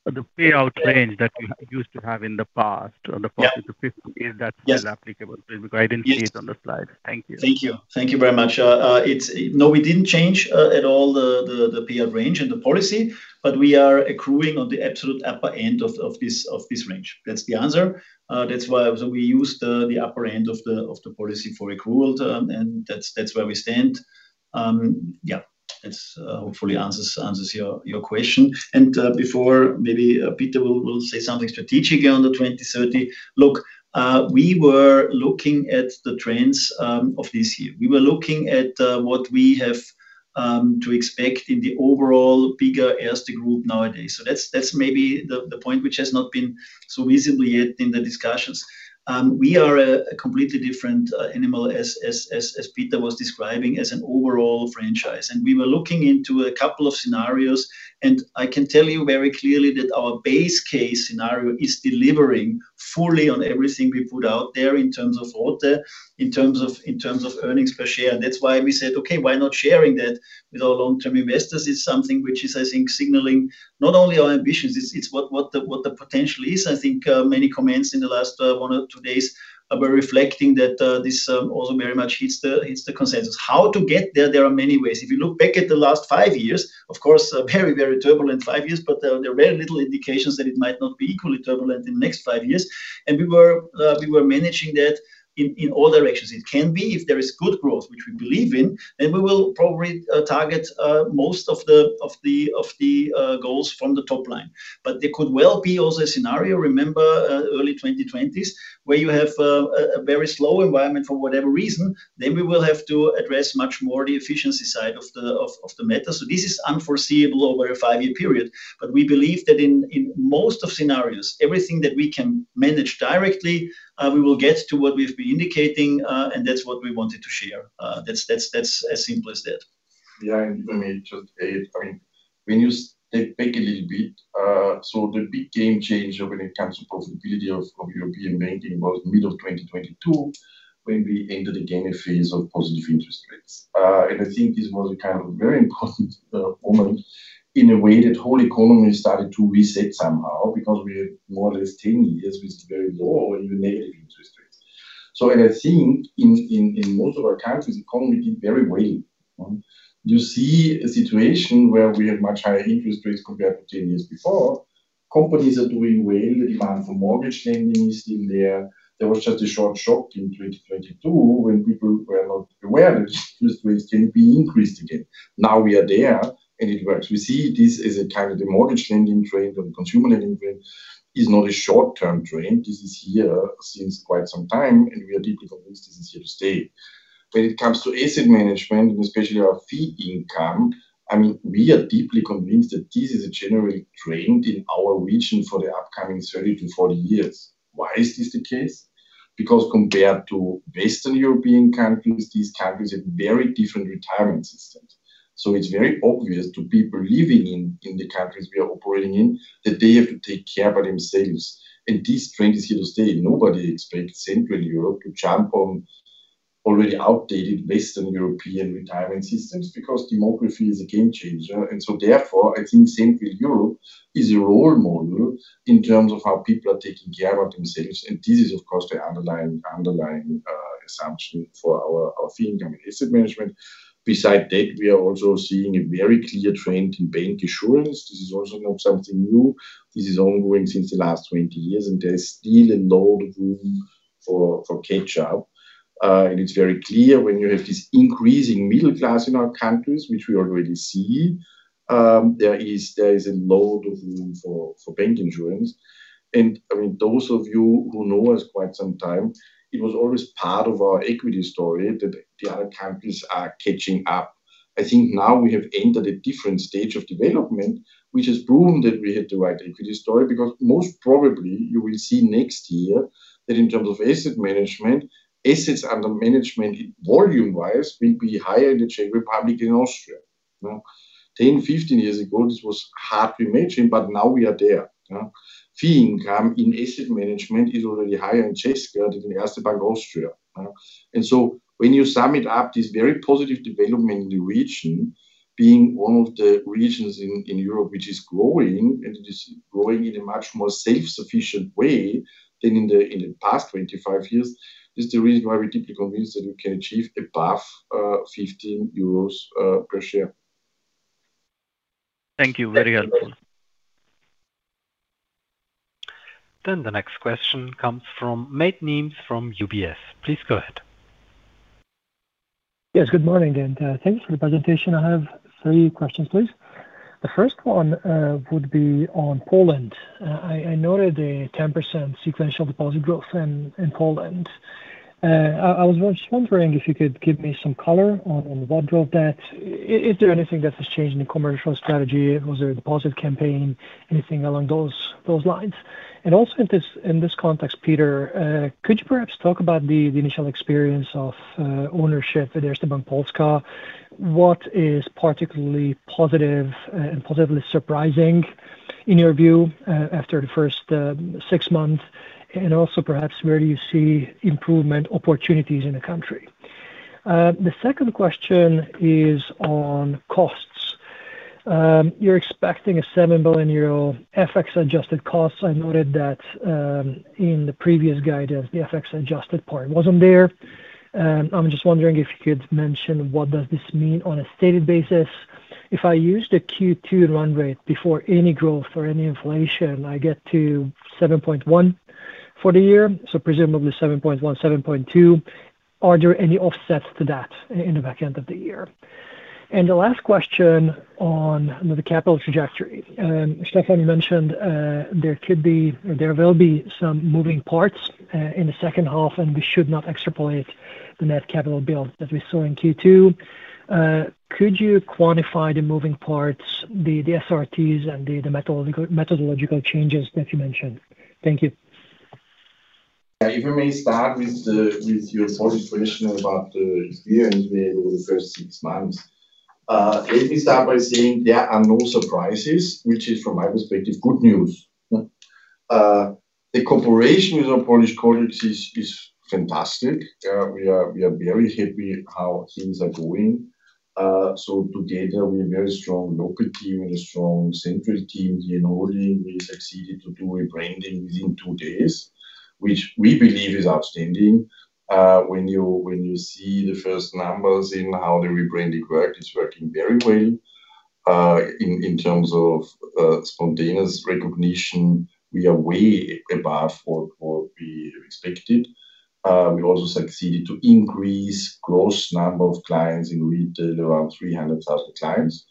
The payout range that you used to have in the past- Yeah.... on the 40%-50%, is that still applicable? Because I didn't see it on the slide. Thank you. Thank you. Thank you very much. No, we didn't change at all the payout range and the policy, but we are accruing on the absolute upper end of this range. That's the answer. That's why we used the upper end of the policy for accrual, and that's where we stand. Yeah. That hopefully answers your question. Before maybe Peter will say something strategically on the 2030. Look, we were looking at the trends of this year. We were looking at what we have to expect in the overall bigger Erste Group nowadays. That's maybe the point which has not been so visible yet in the discussions. We are a completely different animal, as Peter was describing, as an overall franchise. We were looking into a couple of scenarios, and I can tell you very clearly that our base case scenario is delivering fully on everything we put out there in terms of ROTE, in terms of earnings per share. That's why we said, okay, why not sharing that with our long-term investors? It's something which is, I think, signaling not only our ambitions, it's what the potential is. I think many comments in the last one or two days were reflecting that this also very much hits the consensus. How to get there are many ways. If you look back at the last five years, of course, very, very turbulent five years, but there are very little indications that it might not be equally turbulent in the next five years. We were managing that in all directions. It can be, if there is good growth, which we believe in, then we will probably target most of the goals from the top line. There could well be also a scenario, remember early 2020s, where you have a very slow environment for whatever reason, then we will have to address much more the efficiency side of the matter. This is unforeseeable over a five-year period. We believe that in most of scenarios, everything that we can manage directly, we will get to what we've been indicating, and that's what we wanted to share. That's as simple as that. Yeah, if I may just add. When you step back a little bit, the big game changer when it comes to profitability of European banking was middle of 2022, when we entered again a phase of positive interest rates. I think this was a kind of very important moment in a way that whole economy started to reset somehow because we had more or less 10 years with very low or even negative interest rates. I think in most of our countries, the economy did very well. You see a situation where we have much higher interest rates compared to 10 years before. Companies are doing well. Demand for mortgage lending is still there. There was just a short shock in 2022 when people were not aware that interest rates can be increased again. Now we are there, and it works. We see this as a kind of the mortgage lending trend or the consumer lending trend is not a short-term trend. This is here since quite some time, and we are deeply convinced this is here to stay. When it comes to asset management and especially our fee income, we are deeply convinced that this is a general trend in our region for the upcoming 30-40 years. Why is this the case? Because compared to Western European countries, these countries have very different retirement systems. It is very obvious to people living in the countries we are operating in that they have to take care by themselves. This trend is here to stay. Nobody expects Central Europe to jump on already outdated Western European retirement systems because demography is a game changer. Therefore, I think Central Europe is a role model in terms of how people are taking care of themselves, and this is, of course, the underlying assumption for our fee income in asset management. Beside that, we are also seeing a very clear trend in bank insurance. This is also not something new. This is ongoing since the last 20 years, and there is still a lot of room for catch up. It is very clear when you have this increasing middle class in our countries, which we already see, there is a lot of room for bank insurance. Those of you who know us quite some time, it was always part of our equity story that the other countries are catching up. I think now we have entered a different stage of development, which has proven that we had the right equity story, because most probably you will see next year that in terms of asset management, assets under management volume-wise will be higher in the Czech Republic than Austria. 10-15 years ago, this was hard to imagine, but now we are there. Fee income in asset management is already higher in Czechia than in Erste Bank Österreich. When you sum it up, this very positive development in the region, being one of the regions in Europe which is growing, and it is growing in a much more self-sufficient way than in the past 25 years, is the reason why we typically believe that we can achieve above 15 euros per share. Thank you. Very helpful. The next question comes from Máté Nemes from UBS. Please go ahead. Yes, good morning, and thank you for the presentation. I have three questions, please. The first one would be on Poland. I noted a 10% sequential deposit growth in Poland. I was just wondering if you could give me some color on what drove that. Is there anything that has changed in the commercial strategy? Was there a deposit campaign? Anything along those lines? Also in this context, Peter, could you perhaps talk about the initial experience of ownership at Erste Bank Polska? What is particularly positive and positively surprising in your view after the first six months, and also perhaps where do you see improvement opportunities in the country? The second question is on costs. You're expecting a 7 billion euro FX-adjusted cost. I noted that in the previous guidance, the FX-adjusted part wasn't there. I'm just wondering if you could mention what does this mean on a stated basis. If I use the Q2 run rate before any growth or any inflation, I get to 7.1 billion for the year, so presumably 7.1 billion, 7.2 billion. Are there any offsets to that in the back end of the year? The last question on the capital trajectory. Stefan, you mentioned there will be some moving parts in the second half, and we should not extrapolate the net capital build that we saw in Q2. Could you quantify the moving parts, the SRTs, and the methodological changes that you mentioned? Thank you. If we may start with your first question about the experience we had over the first six months. Let me start by saying there are no surprises, which is, from my perspective, good news. The cooperation with our Polish colleagues is fantastic. We are very happy how things are going. Together, we are a very strong local team and a strong central team here in Austria. We succeeded to do rebranding within two days, which we believe is outstanding. When you see the first numbers in how the rebranding worked, it's working very well. In terms of spontaneous recognition, we are way above what we expected. We also succeeded to increase gross number of clients in retail, around 300,000 clients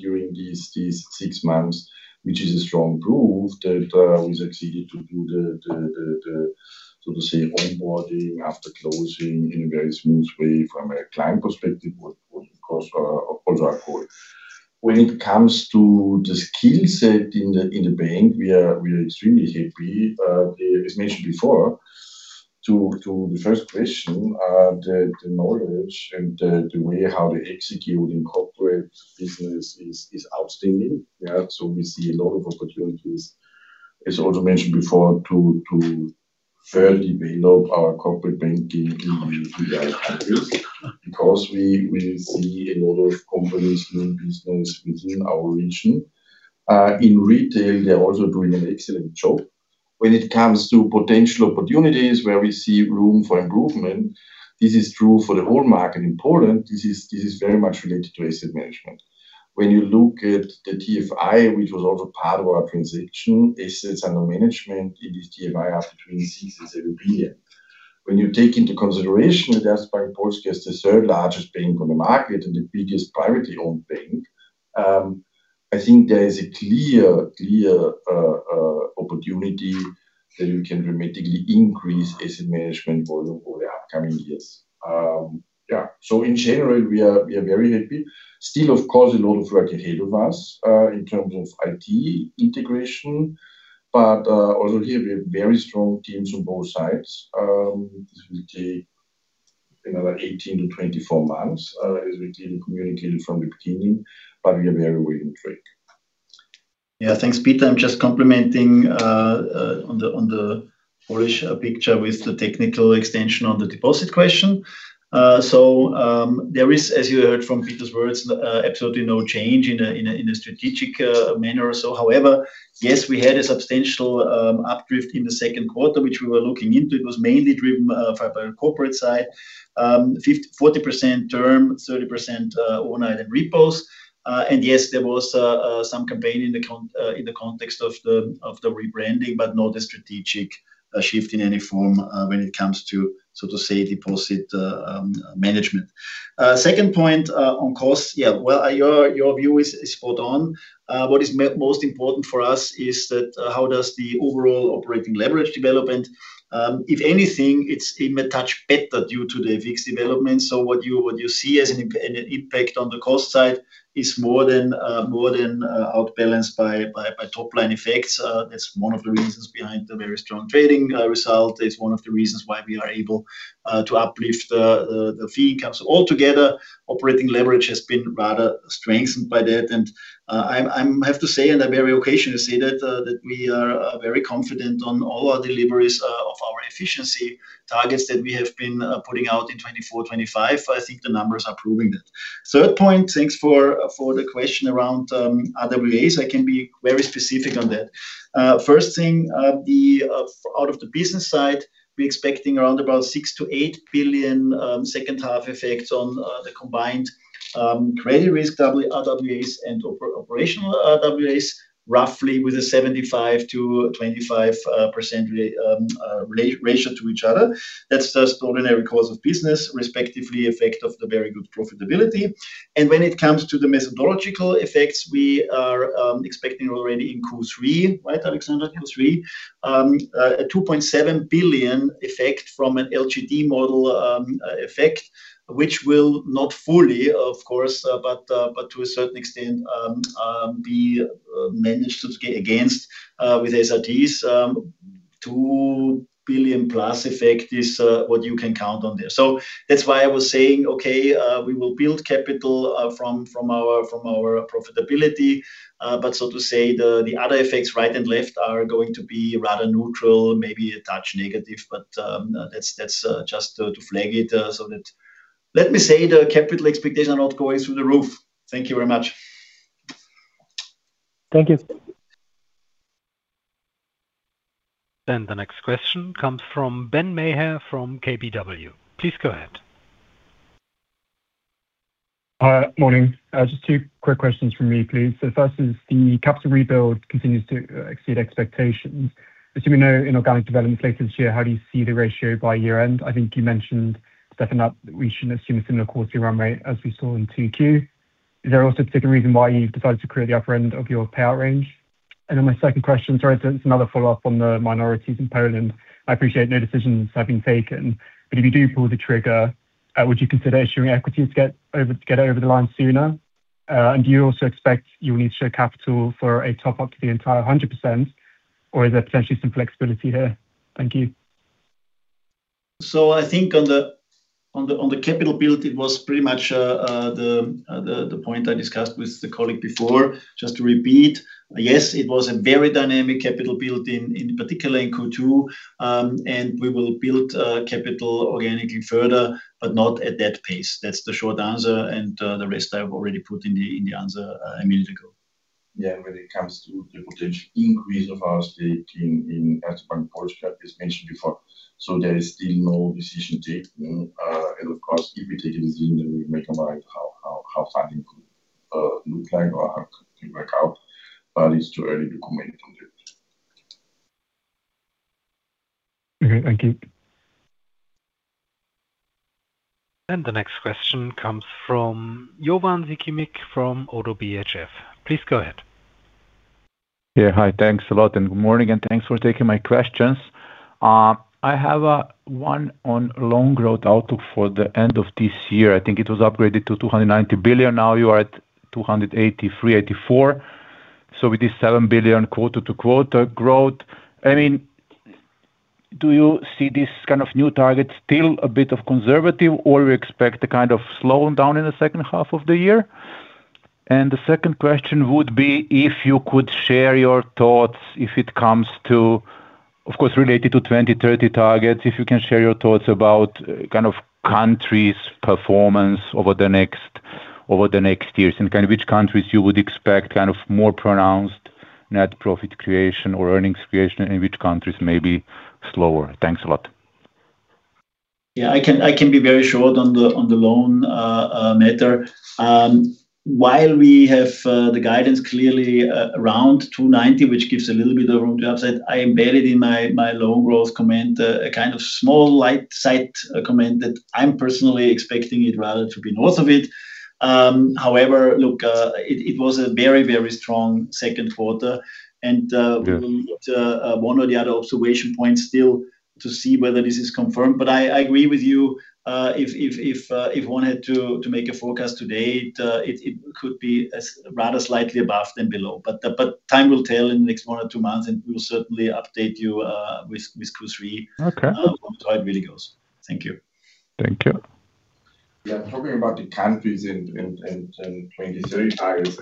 during these six months, which is a strong proof that we succeeded to do the, so to say, onboarding after closing in a very smooth way from a client perspective what of course our product would. When it comes to the skill set in the bank, we are extremely happy. As mentioned before to the first question, the knowledge and the way how they execute in corporate business is outstanding. Yeah. We see a lot of opportunities, as also mentioned before, to further build our corporate banking in the other countries because we will see a lot of companies doing business within our region. In retail, they are also doing an excellent job. When it comes to potential opportunities where we see room for improvement, this is true for the whole market in Poland. This is very much related to asset management. When you look at the TFI, which was also part of our transaction, assets under management, it is TFI up between EUR 6 and EUR 7 billion. When you take into consideration that Erste Bank Polska is the third largest bank on the market and the biggest privately owned bank, I think there is a clear opportunity that we can dramatically increase asset management volume over the upcoming years. Yeah. Still, of course, a lot of work ahead of us in terms of IT integration. Also here we have very strong teams on both sides. This will take another 18-24 months, as we communicated from the beginning, but we are very well on track. Yeah, thanks, Peter. I am just complementing on the Polish picture with the technical extension on the deposit question. There is, as you heard from Peter's words, absolutely no change in a strategic manner or so. However, yes, we had a substantial updrift in the second quarter, which we were looking into. It was mainly driven by corporate side, 40% term, 30% overnight and repos. Yes, there was some campaign in the context of the rebranding, but not a strategic shift in any form when it comes to, so to say, deposit management. Second point on cost. Yeah, well, your view is spot on. What is most important for us is that how does the overall operating leverage development. If anything, it is even a touch better due to the FX development. What you see as an impact on the cost side is more than outbalanced by top-line effects. That is one of the reasons behind the very strong trading result. It is one of the reasons why we are able to uplift the fee income. Altogether, operating leverage has been rather strengthened by that, I have to say, and I very occasionally say that we are very confident on all our deliveries of our efficiency targets that we have been putting out in 2024, 2025. I think the numbers are proving that. Third point, thanks for the question around RWAs. I can be very specific on that. First thing, out of the business side, we are expecting around about 6 billion-8 billion second half effects on the combined credit risk RWAs and operational RWAs, roughly with a 75% to 25% ratio to each other. That is just ordinary course of business, respectively effect of the very good profitability. When it comes to the methodological effects, we are expecting already in Q3, right, Alexandra? Q3, a 2.7 billion effect from an LGD model effect, which will not fully, of course, but to a certain extent, be managed against with SRTs. 2+ billion effect is what you can count on there. That's why I was saying, okay, we will build capital from our profitability. The other effects right and left are going to be rather neutral, maybe a touch negative, but that's just to flag it so that, let me say the capital expectations are not going through the roof. Thank you very much. Thank you. The next question comes from Ben Maher from KBW. Please go ahead. Hi. Morning. Just two quick questions from me, please. First is the capital rebuild continues to exceed expectations. Assume no inorganic development later this year, how do you see the ratio by year-end? I think you mentioned, Stefan, that we shouldn't assume a similar quarterly run rate as we saw in 2Q. Is there also a particular reason why you've decided to clear the upper end of your payout range? My second question, sorry, it's another follow-up on the minorities in Poland. I appreciate no decisions have been taken, but if you do pull the trigger, would you consider issuing equities to get over the line sooner? Do you also expect you will need to show capital for a top-up to the entire 100%, or is there potentially some flexibility here? Thank you. I think on the capital build, it was pretty much the point I discussed with the colleague before. Just to repeat, yes, it was a very dynamic capital build, in particular in Q2. We will build capital organically further, but not at that pace. That's the short answer, and the rest I've already put in the answer a minute ago. When it comes to the potential increase of our stake in Erste Bank Polska, as mentioned before. There is still no decision taken. Of course, if we take a decision, then we may comment how funding could look like or how it could work out, but it's too early to comment on that. Okay, thank you. The next question comes from Jovan Sikimić from Oddo BHF. Please go ahead. Hi. Thanks a lot, good morning, and thanks for taking my questions. I have one on loan growth outlook for the end of this year. I think it was upgraded to 290 billion. Now you are at 283 billion, 284 billion. With this EUR 7 billion quarter-to-quarter growth, do you see this kind of new target still a bit conservative, or you expect a kind of slowing down in the second half of the year? The second question would be if you could share your thoughts if it comes to, of course, related to 2030 targets. If you can share your thoughts about countries performance over the next years and which countries you would expect more pronounced net profit creation or earnings creation, and which countries may be slower. Thanks a lot. I can be very short on the loan matter. While we have the guidance clearly around 290 billion, which gives a little bit of room to upside, I embedded in my loan growth comment a kind of small side comment that I'm personally expecting it rather to be north of it. Look, it was a very strong second quarter, we will need one or the other observation points still to see whether this is confirmed. I agree with you. If one had to make a forecast today, it could be rather slightly above than below. Time will tell in the next one or two months, we will certainly update you with Q3- Okay.... on how it really goes. Thank you. Thank you. Talking about the countries and 2030 targets,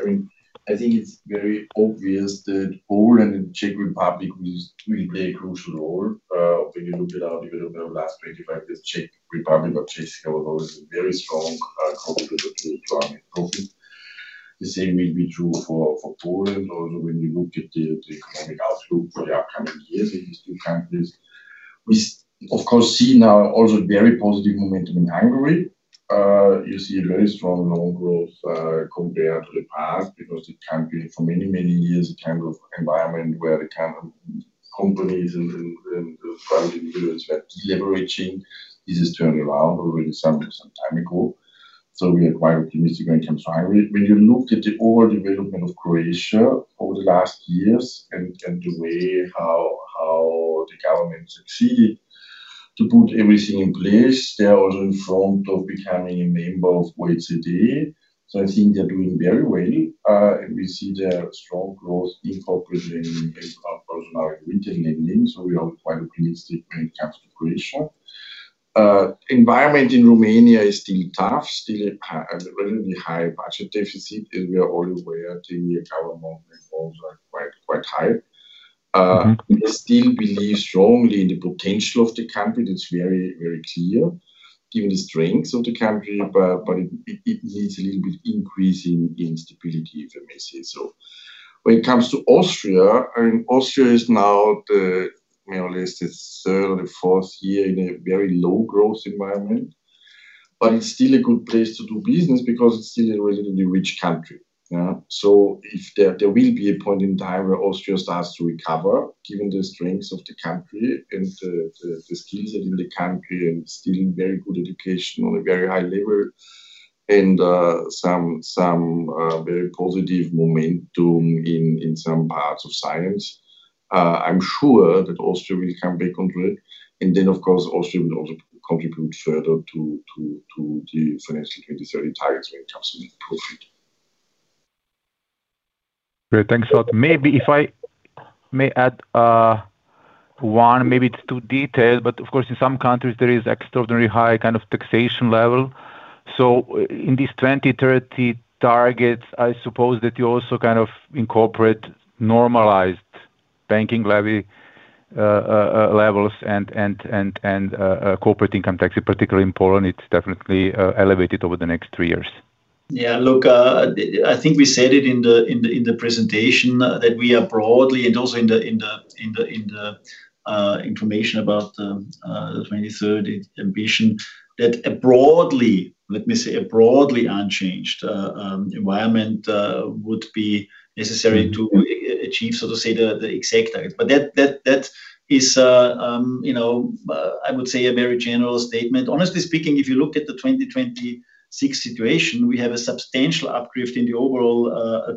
I think it's very obvious that Poland and Czech Republic will really play a crucial role. When you look at our development over the last 25 years, Czech Republic, or Czechia, was always a very strong contributor to our net profit. The same will be true for Poland also, when you look at the economic outlook for the upcoming years in these two countries. We, of course, see now also very positive momentum in Hungary. You see very strong loan growth compared to the past because the country, for many years, a kind of environment where the companies and private individuals were deleveraging. This is turned around already some time ago. We are quite optimistic when it comes to Hungary. When you look at the overall development of Croatia over the last years, and the way how the government succeed to put everything in place, they are also in front of becoming a member of OECD. I think they're doing very well. We see their strong growth incorporating personal retail lending. We are quite optimistic when it comes to Croatia. Environment in Romania is still tough, still a relatively high budget deficit, and we are all aware the government reforms are quite high. We still believe strongly in the potential of the country, that's very clear given the strengths of the country, but it needs a little bit increase in stability, if I may say so. When it comes to Austria is now the, more or less, the third or fourth year in a very low growth environment, but it's still a good place to do business because it's still a relatively rich country. If there will be a point in time where Austria starts to recover, given the strengths of the country and the skills that are in the country, and still very good education on a very high level and some very positive momentum in some parts of science, I'm sure that Austria will come back on to it. Of course, Austria will also contribute further to the financial 2030 targets when it comes to net profit. Great. Thanks a lot. Maybe if I may add one, maybe it's too detailed, but of course, in some countries, there is extraordinary high taxation level. In these 2030 targets, I suppose that you also incorporate normalized banking levels and corporate income tax, particularly in Poland, it's definitely elevated over the next three years. I think we said it in the presentation that we are broadly, and also in the information about the 2030 ambition, that a broadly, let me say, a broadly unchanged environment would be necessary to achieve, so to say, the exact target. That is, I would say, a very general statement. Honestly speaking, if you look at the 2026 situation, we have a substantial uplift in the overall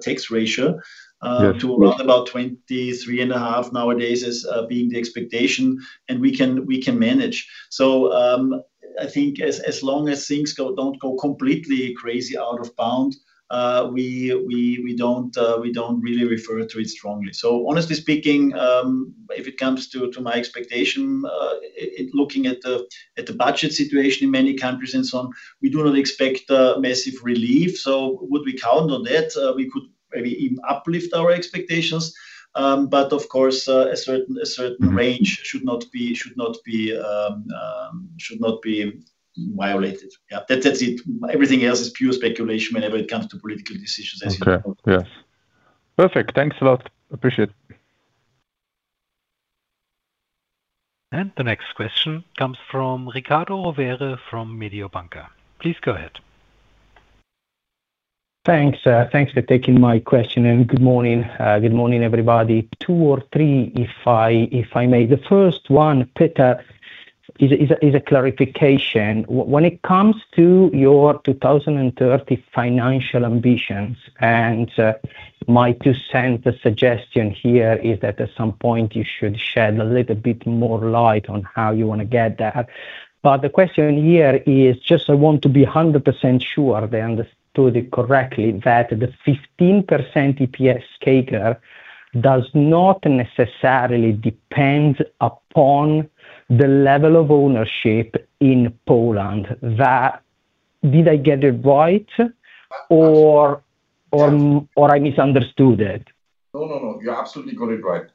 tax ratio- Yes.... to around about 23.5% nowadays as being the expectation, we can manage. I think as long as things don't go completely crazy out of bounds, we don't really refer to it strongly. Honestly speaking, if it comes to my expectation, looking at the budget situation in many countries and so on, we do not expect massive relief, so would we count on that? We could maybe even uplift our expectations. Of course, a certain range should not be violated. That's it. Everything else is pure speculation whenever it comes to political decisions, as you know. Okay. Yes. Perfect. Thanks a lot. Appreciate it. The next question comes from Riccardo Rovere from Mediobanca. Please go ahead. Thanks for taking my question, good morning, everybody. Two or three, if I may. The first one, Peter, is a clarification. When it comes to your 2030 financial ambitions, my two center suggestion here is that at some point you should shed a little bit more light on how you want to get there. The question here is just I want to be 100% sure I understood it correctly, that the 15% EPS CAGR does not necessarily depend upon the level of ownership in Poland. Did I get it right? Absolutely. I misunderstood it? No, you absolutely got it right.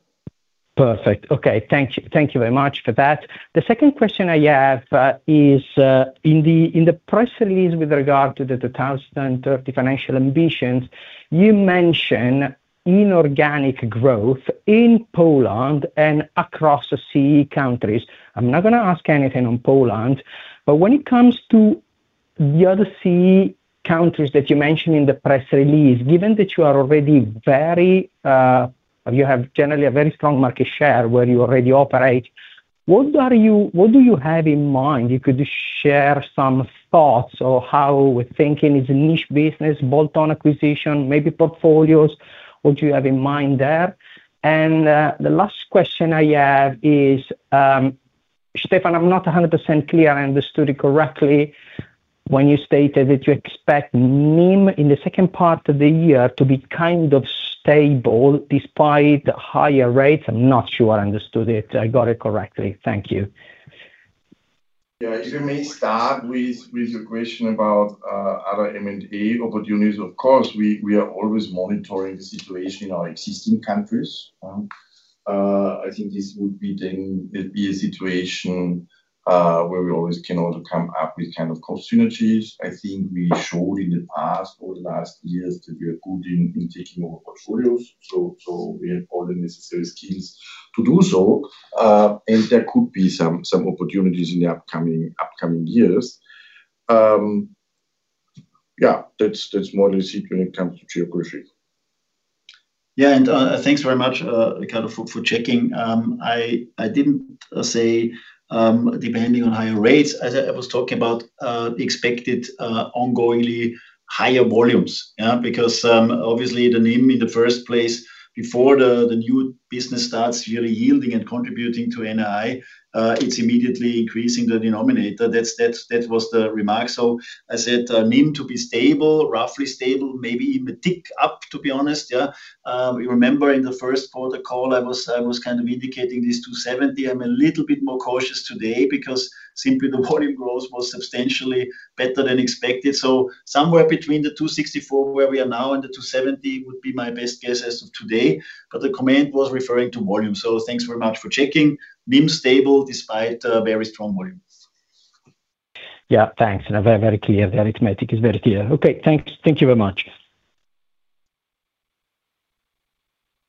Perfect. Okay. Thank you very much for that. The second question I have is, in the press release with regard to the 2030 financial ambitions, you mention inorganic growth in Poland and across CEE countries. I'm not going to ask anything on Poland, when it comes to the other CEE countries that you mentioned in the press release, given that you have generally a very strong market share where you already operate, what do you have in mind? You could share some thoughts or how we're thinking. Is it niche business, bolt-on acquisition, maybe portfolios? What do you have in mind there? The last question I have is, Stefan, I'm not 100% clear I understood it correctly when you stated that you expect NIM in the second part of the year to be kind of stable despite higher rates. I'm not sure I understood it, I got it correctly. Thank you. If I may start with the question about other M&A opportunities. Of course, we are always monitoring the situation in our existing countries. I think this would be a situation where we always can also come up with kind of cost synergies. I think we showed in the past, over the last years, that we are good in taking over portfolios. We have all the necessary skills to do so, and there could be some opportunities in the upcoming years. That's more the secret when it comes to geography. Thanks very much, Riccardo, for checking. I didn't say depending on higher rates, as I was talking about expected ongoingly higher volumes. Yeah? Because obviously the NIM in the first place before the new business starts really yielding and contributing to NII, it's immediately increasing the denominator. That was the remark. I said NIM to be stable, roughly stable, maybe even tick up, to be honest. Yeah. Remember in the first quarter call, I was kind of indicating this 270. I'm a little bit more cautious today because simply the volume growth was substantially better than expected. Somewhere between the 264 where we are now and the 270 would be my best guess as of today. The comment was referring to volume. Thanks very much for checking. NIM stable despite very strong volumes. Thanks. Very clear. The arithmetic is very clear. Okay, thanks. Thank you very much.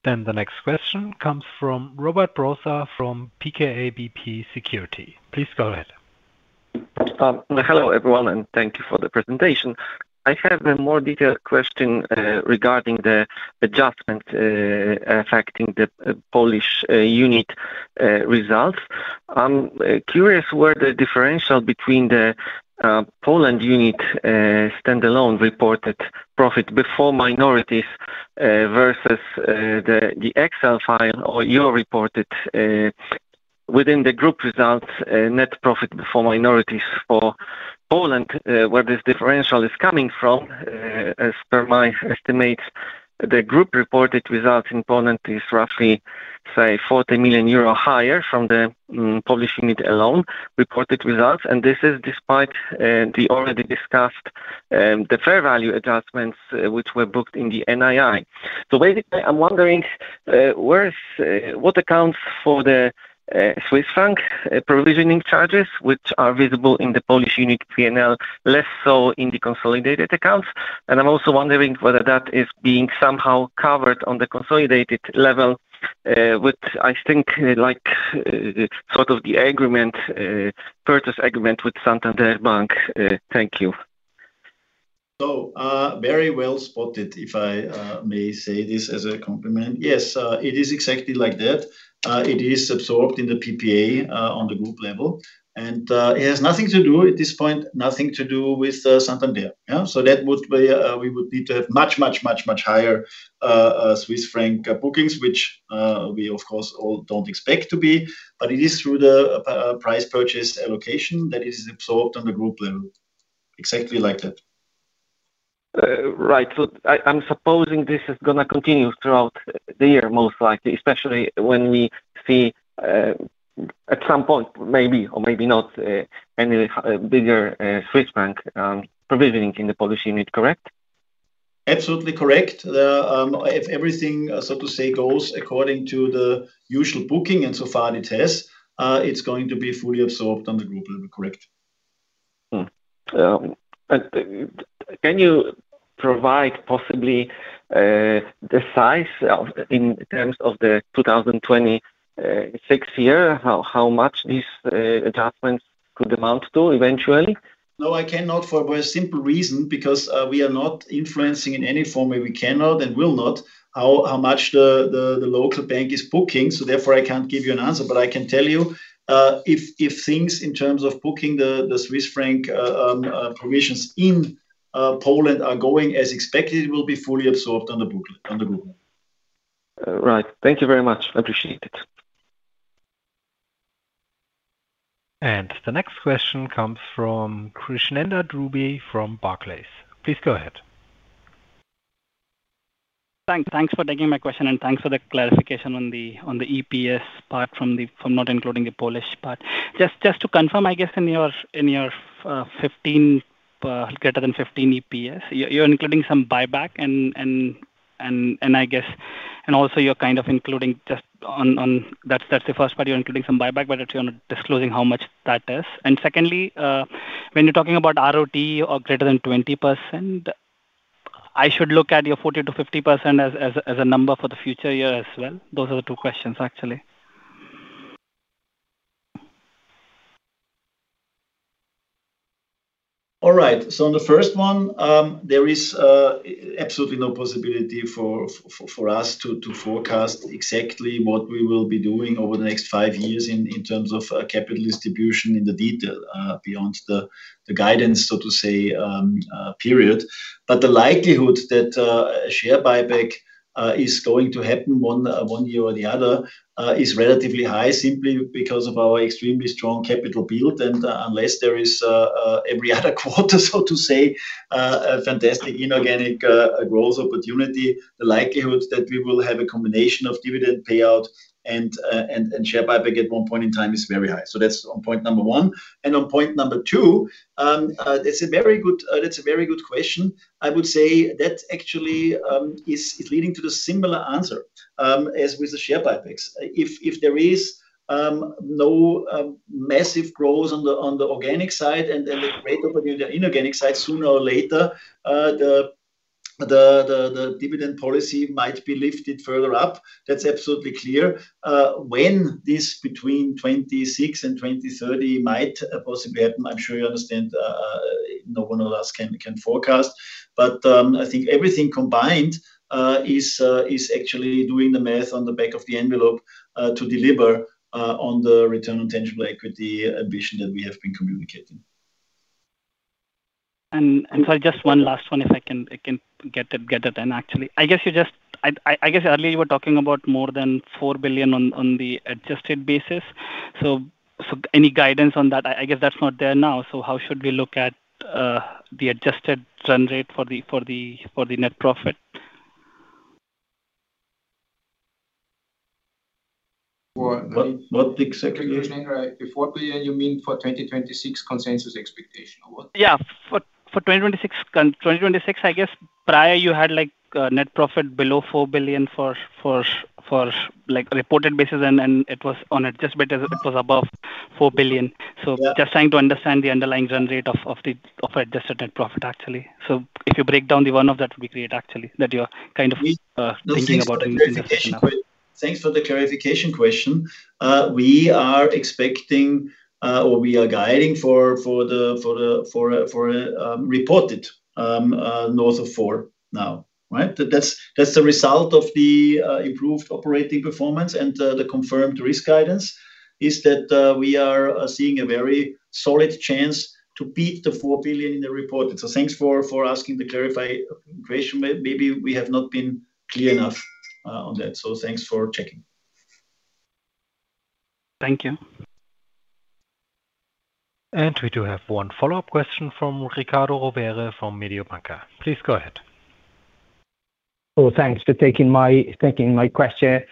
The next question comes from Robert Brzoza from PKO BP Securities. Please go ahead. Hello everyone, thank you for the presentation. I have a more detailed question regarding the adjustment affecting the Polish unit results. I'm curious where the differential between the Poland unit standalone reported profit before minorities versus the Excel file or your reported within the group results net profit before minorities for Poland, where this differential is coming from. As per my estimate, the group reported results in Poland is roughly, say, 40 million euro higher from the standalone reported results, and this is despite the already discussed the fair value adjustments which were booked in the NII. Basically, I'm wondering what accounts for the Swiss franc provisioning charges, which are visible in the Polish unit P&L, less so in the consolidated accounts. I'm also wondering whether that is being somehow covered on the consolidated level with, I think, the purchase agreement with Santander Bank. Thank you. Very well spotted, if I may say this as a compliment. Yes, it is exactly like that. It is absorbed in the PPA on the group level, it has nothing to do at this point with Santander. We would need to have much higher Swiss franc bookings, which we of course all don't expect to be. It is through the price purchase allocation that is absorbed on the group level, exactly like that. Right. I am supposing this is going to continue throughout the year, most likely, especially when we see at some point, maybe or maybe not, any bigger Swiss franc provisioning in the Polish unit, correct? Absolutely correct. If everything, so to say, goes according to the usual booking, and so far it has, it is going to be fully absorbed on the group level, correct. Can you provide possibly the size in terms of the 2026 year? How much these adjustments could amount to eventually? No, I cannot for a very simple reason. We are not influencing in any form. We cannot and will not, how much the local bank is booking. I cannot give you an answer. I can tell you if things in terms of booking the Swiss franc provisions in Poland are going as expected, it will be fully absorbed on the group level. Right. Thank you very much. Appreciate it. The next question comes from Krishnendra Dubey from Barclays. Please go ahead. Thanks for taking my question and thanks for the clarification on the EPS part from not including the Polish part. Just to confirm, I guess in your greater than 15 EPS, you're including some buyback, and also you're kind of including. That's the first part, you're including some buyback, but actually you're not disclosing how much that is. Secondly, when you're talking about ROT or greater than 20%, I should look at your 40%-50% as a number for the future year as well? Those are the two questions, actually. All right. On the first one, there is absolutely no possibility for us to forecast exactly what we will be doing over the next five years in terms of capital distribution in the detail beyond the guidance, so to say, period. The likelihood that a share buyback is going to happen one year or the other is relatively high, simply because of our extremely strong capital build. Unless there is every other quarter, so to say, a fantastic inorganic growth opportunity, the likelihood that we will have a combination of dividend payout and share buyback at one point in time is very high. That's on point number one. On point number two, that's a very good question. I would say that actually is leading to the similar answer as with the share buybacks. If there is no massive growth on the organic side and then the great opportunity on inorganic side, sooner or later the dividend policy might be lifted further up. That is absolutely clear. When this between 2026 and 2030 might possibly happen, I am sure you understand, no one of us can forecast. I think everything combined is actually doing the math on the back of the envelope to deliver on the return on tangible equity ambition that we have been communicating. Sorry, just one last one if I can get it then actually. I guess earlier you were talking about more than 4 billion on the adjusted basis. Any guidance on that? I guess that is not there now, so how should we look at the adjusted run rate for the net profit? What exactly? If you are saying, 4 billion, you mean for 2026 consensus expectation, or what? Yeah. For 2026, I guess prior you had net profit below 4 billion for reported basis, it was on adjusted it was above 4 billion. Yeah. Just trying to understand the underlying run rate of adjusted net profit, actually. If you break down the run of that would be great, actually. That you are kind of thinking about doing this now. Thanks for the clarification question. We are expecting, or we are guiding for a reported north of 4 billion now, right? That's the result of the improved operating performance and the confirmed risk guidance, is that we are seeing a very solid chance to beat the 4 billion in the reported. Thanks for asking the clarify question. Maybe we have not been clear enough on that. Thanks for checking. Thank you. We do have one follow-up question from Riccardo Rovere from Mediobanca. Please go ahead. Oh, thanks for taking my question.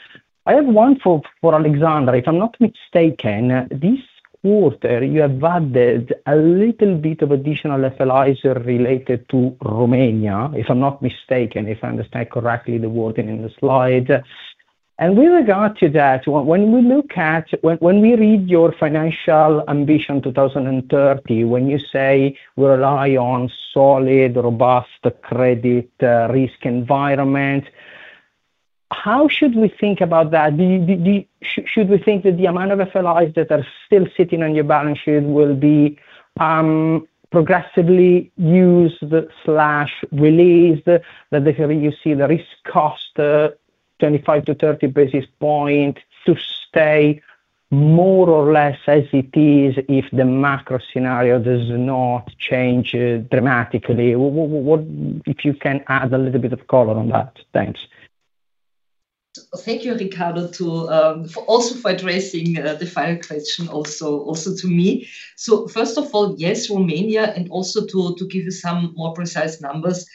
I have one for Alexandra. If I'm not mistaken, this quarter you have added a little bit of additional FLI related to Romania, if I'm not mistaken, if I understand correctly the wording in the slide. With regard to that, when we read your financial ambition 2030, when you say we rely on solid, robust credit risk environment, how should we think about that? Should we think that the amount of FLIs that are still sitting on your balance sheet will be progressively used/released, that therefore you see the risk cost 25-30 basis points to stay more or less as it is if the macro scenario does not change dramatically? If you can add a little bit of color on that. Thanks. Thank you, Riccardo, also for addressing the final question also to me. First of all, yes, Romania, and also to give you some more precise numbers,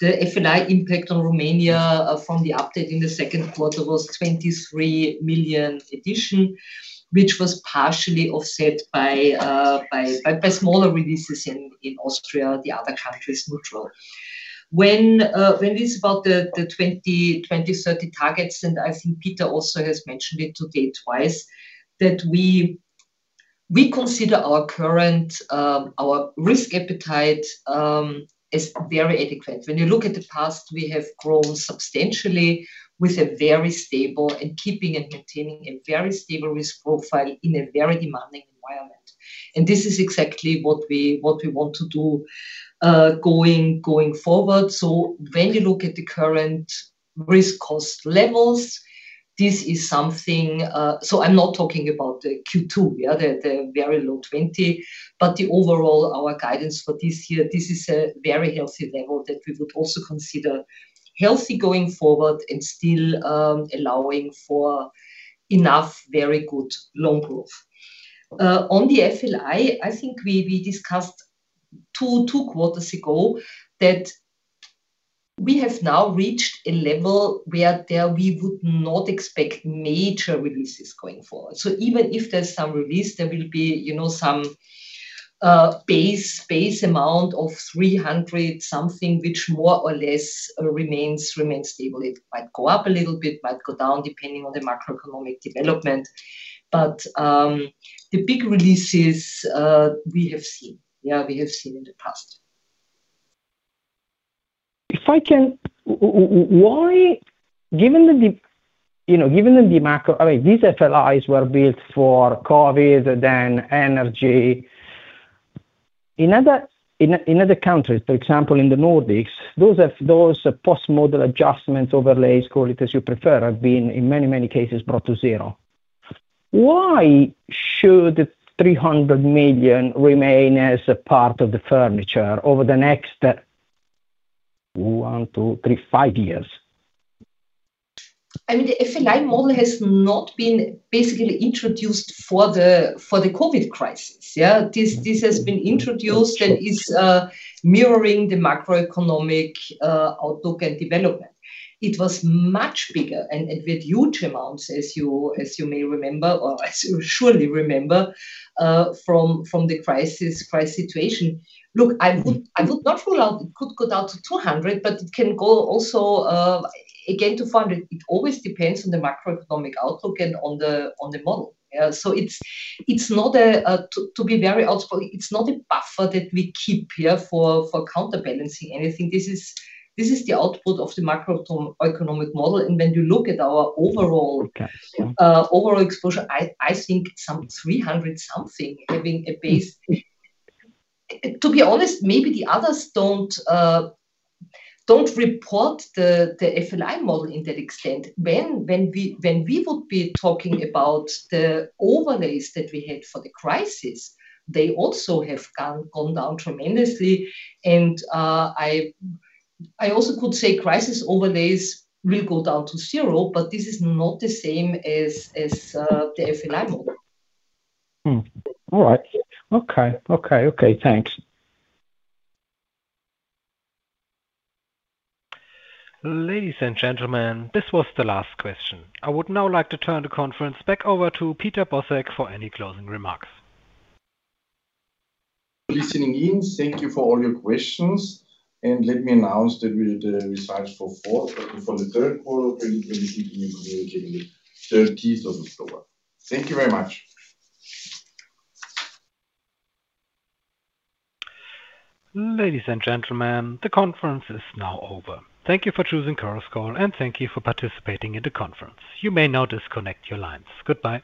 the FLI impact on Romania from the update in the second quarter was 23 million addition, which was partially offset by smaller releases in Austria, the other countries neutral. When it is about the 2030 targets, I think Peter also has mentioned it today twice, that we consider our risk appetite is very adequate. When you look at the past, we have grown substantially with a very stable and keeping and maintaining a very stable risk profile in a very demanding environment. This is exactly what we want to do going forward. When you look at the current risk cost levels, this is something I'm not talking about the Q2, yeah, the very low 20, but the overall our guidance for this year, this is a very healthy level that we would also consider healthy going forward and still allowing for enough very good loan growth. On the FLI, I think we discussed two quarters ago that we have now reached a level where we would not expect major releases going forward. Even if there's some release, there will be some base amount of 300 million something which more or less remains stable. It might go up a little bit, might go down depending on the macroeconomic development. The big releases we have seen. Yeah, we have seen in the past. If I can, these FLIs were built for COVID, then energy. In other countries, for example, in the Nordics, those post-model adjustments overlays, call it as you prefer, have been in many, many cases, brought to zero. Why should 300 million remain as a part of the furniture over the next one, two, three, five years? The FLI model has not been basically introduced for the COVID crisis. This has been introduced and is mirroring the macroeconomic outlook and development. It was much bigger and with huge amounts, as you may remember, or as you surely remember from the crisis situation. Look, I would not rule out it could go down to 200 million, but it can go also again to 400 million. It always depends on the macroeconomic outlook and on the model. To be very honest with you, it's not a buffer that we keep here for counterbalancing anything. This is the output of the macroeconomic model. When you look at our overall exposure, I think some 300 million something having a base. To be honest, maybe the others don't report the FLI model in that extent. When we would be talking about the overlays that we had for the crisis, they also have gone down tremendously, and I also could say crisis overlays will go down to zero, but this is not the same as the FLI model. All right. Okay. Thanks. Ladies and gentlemen, this was the last question. I would now like to turn the conference back over to Peter Bosek for any closing remarks. Listening in. Thank you for all your questions. Let me announce that the results for the third quarter of 2026 will be communicated the 30th of October. Thank you very much. Ladies and gentlemen, the conference is now over. Thank you for choosing Chorus Call. Thank you for participating in the conference. You may now disconnect your lines. Goodbye.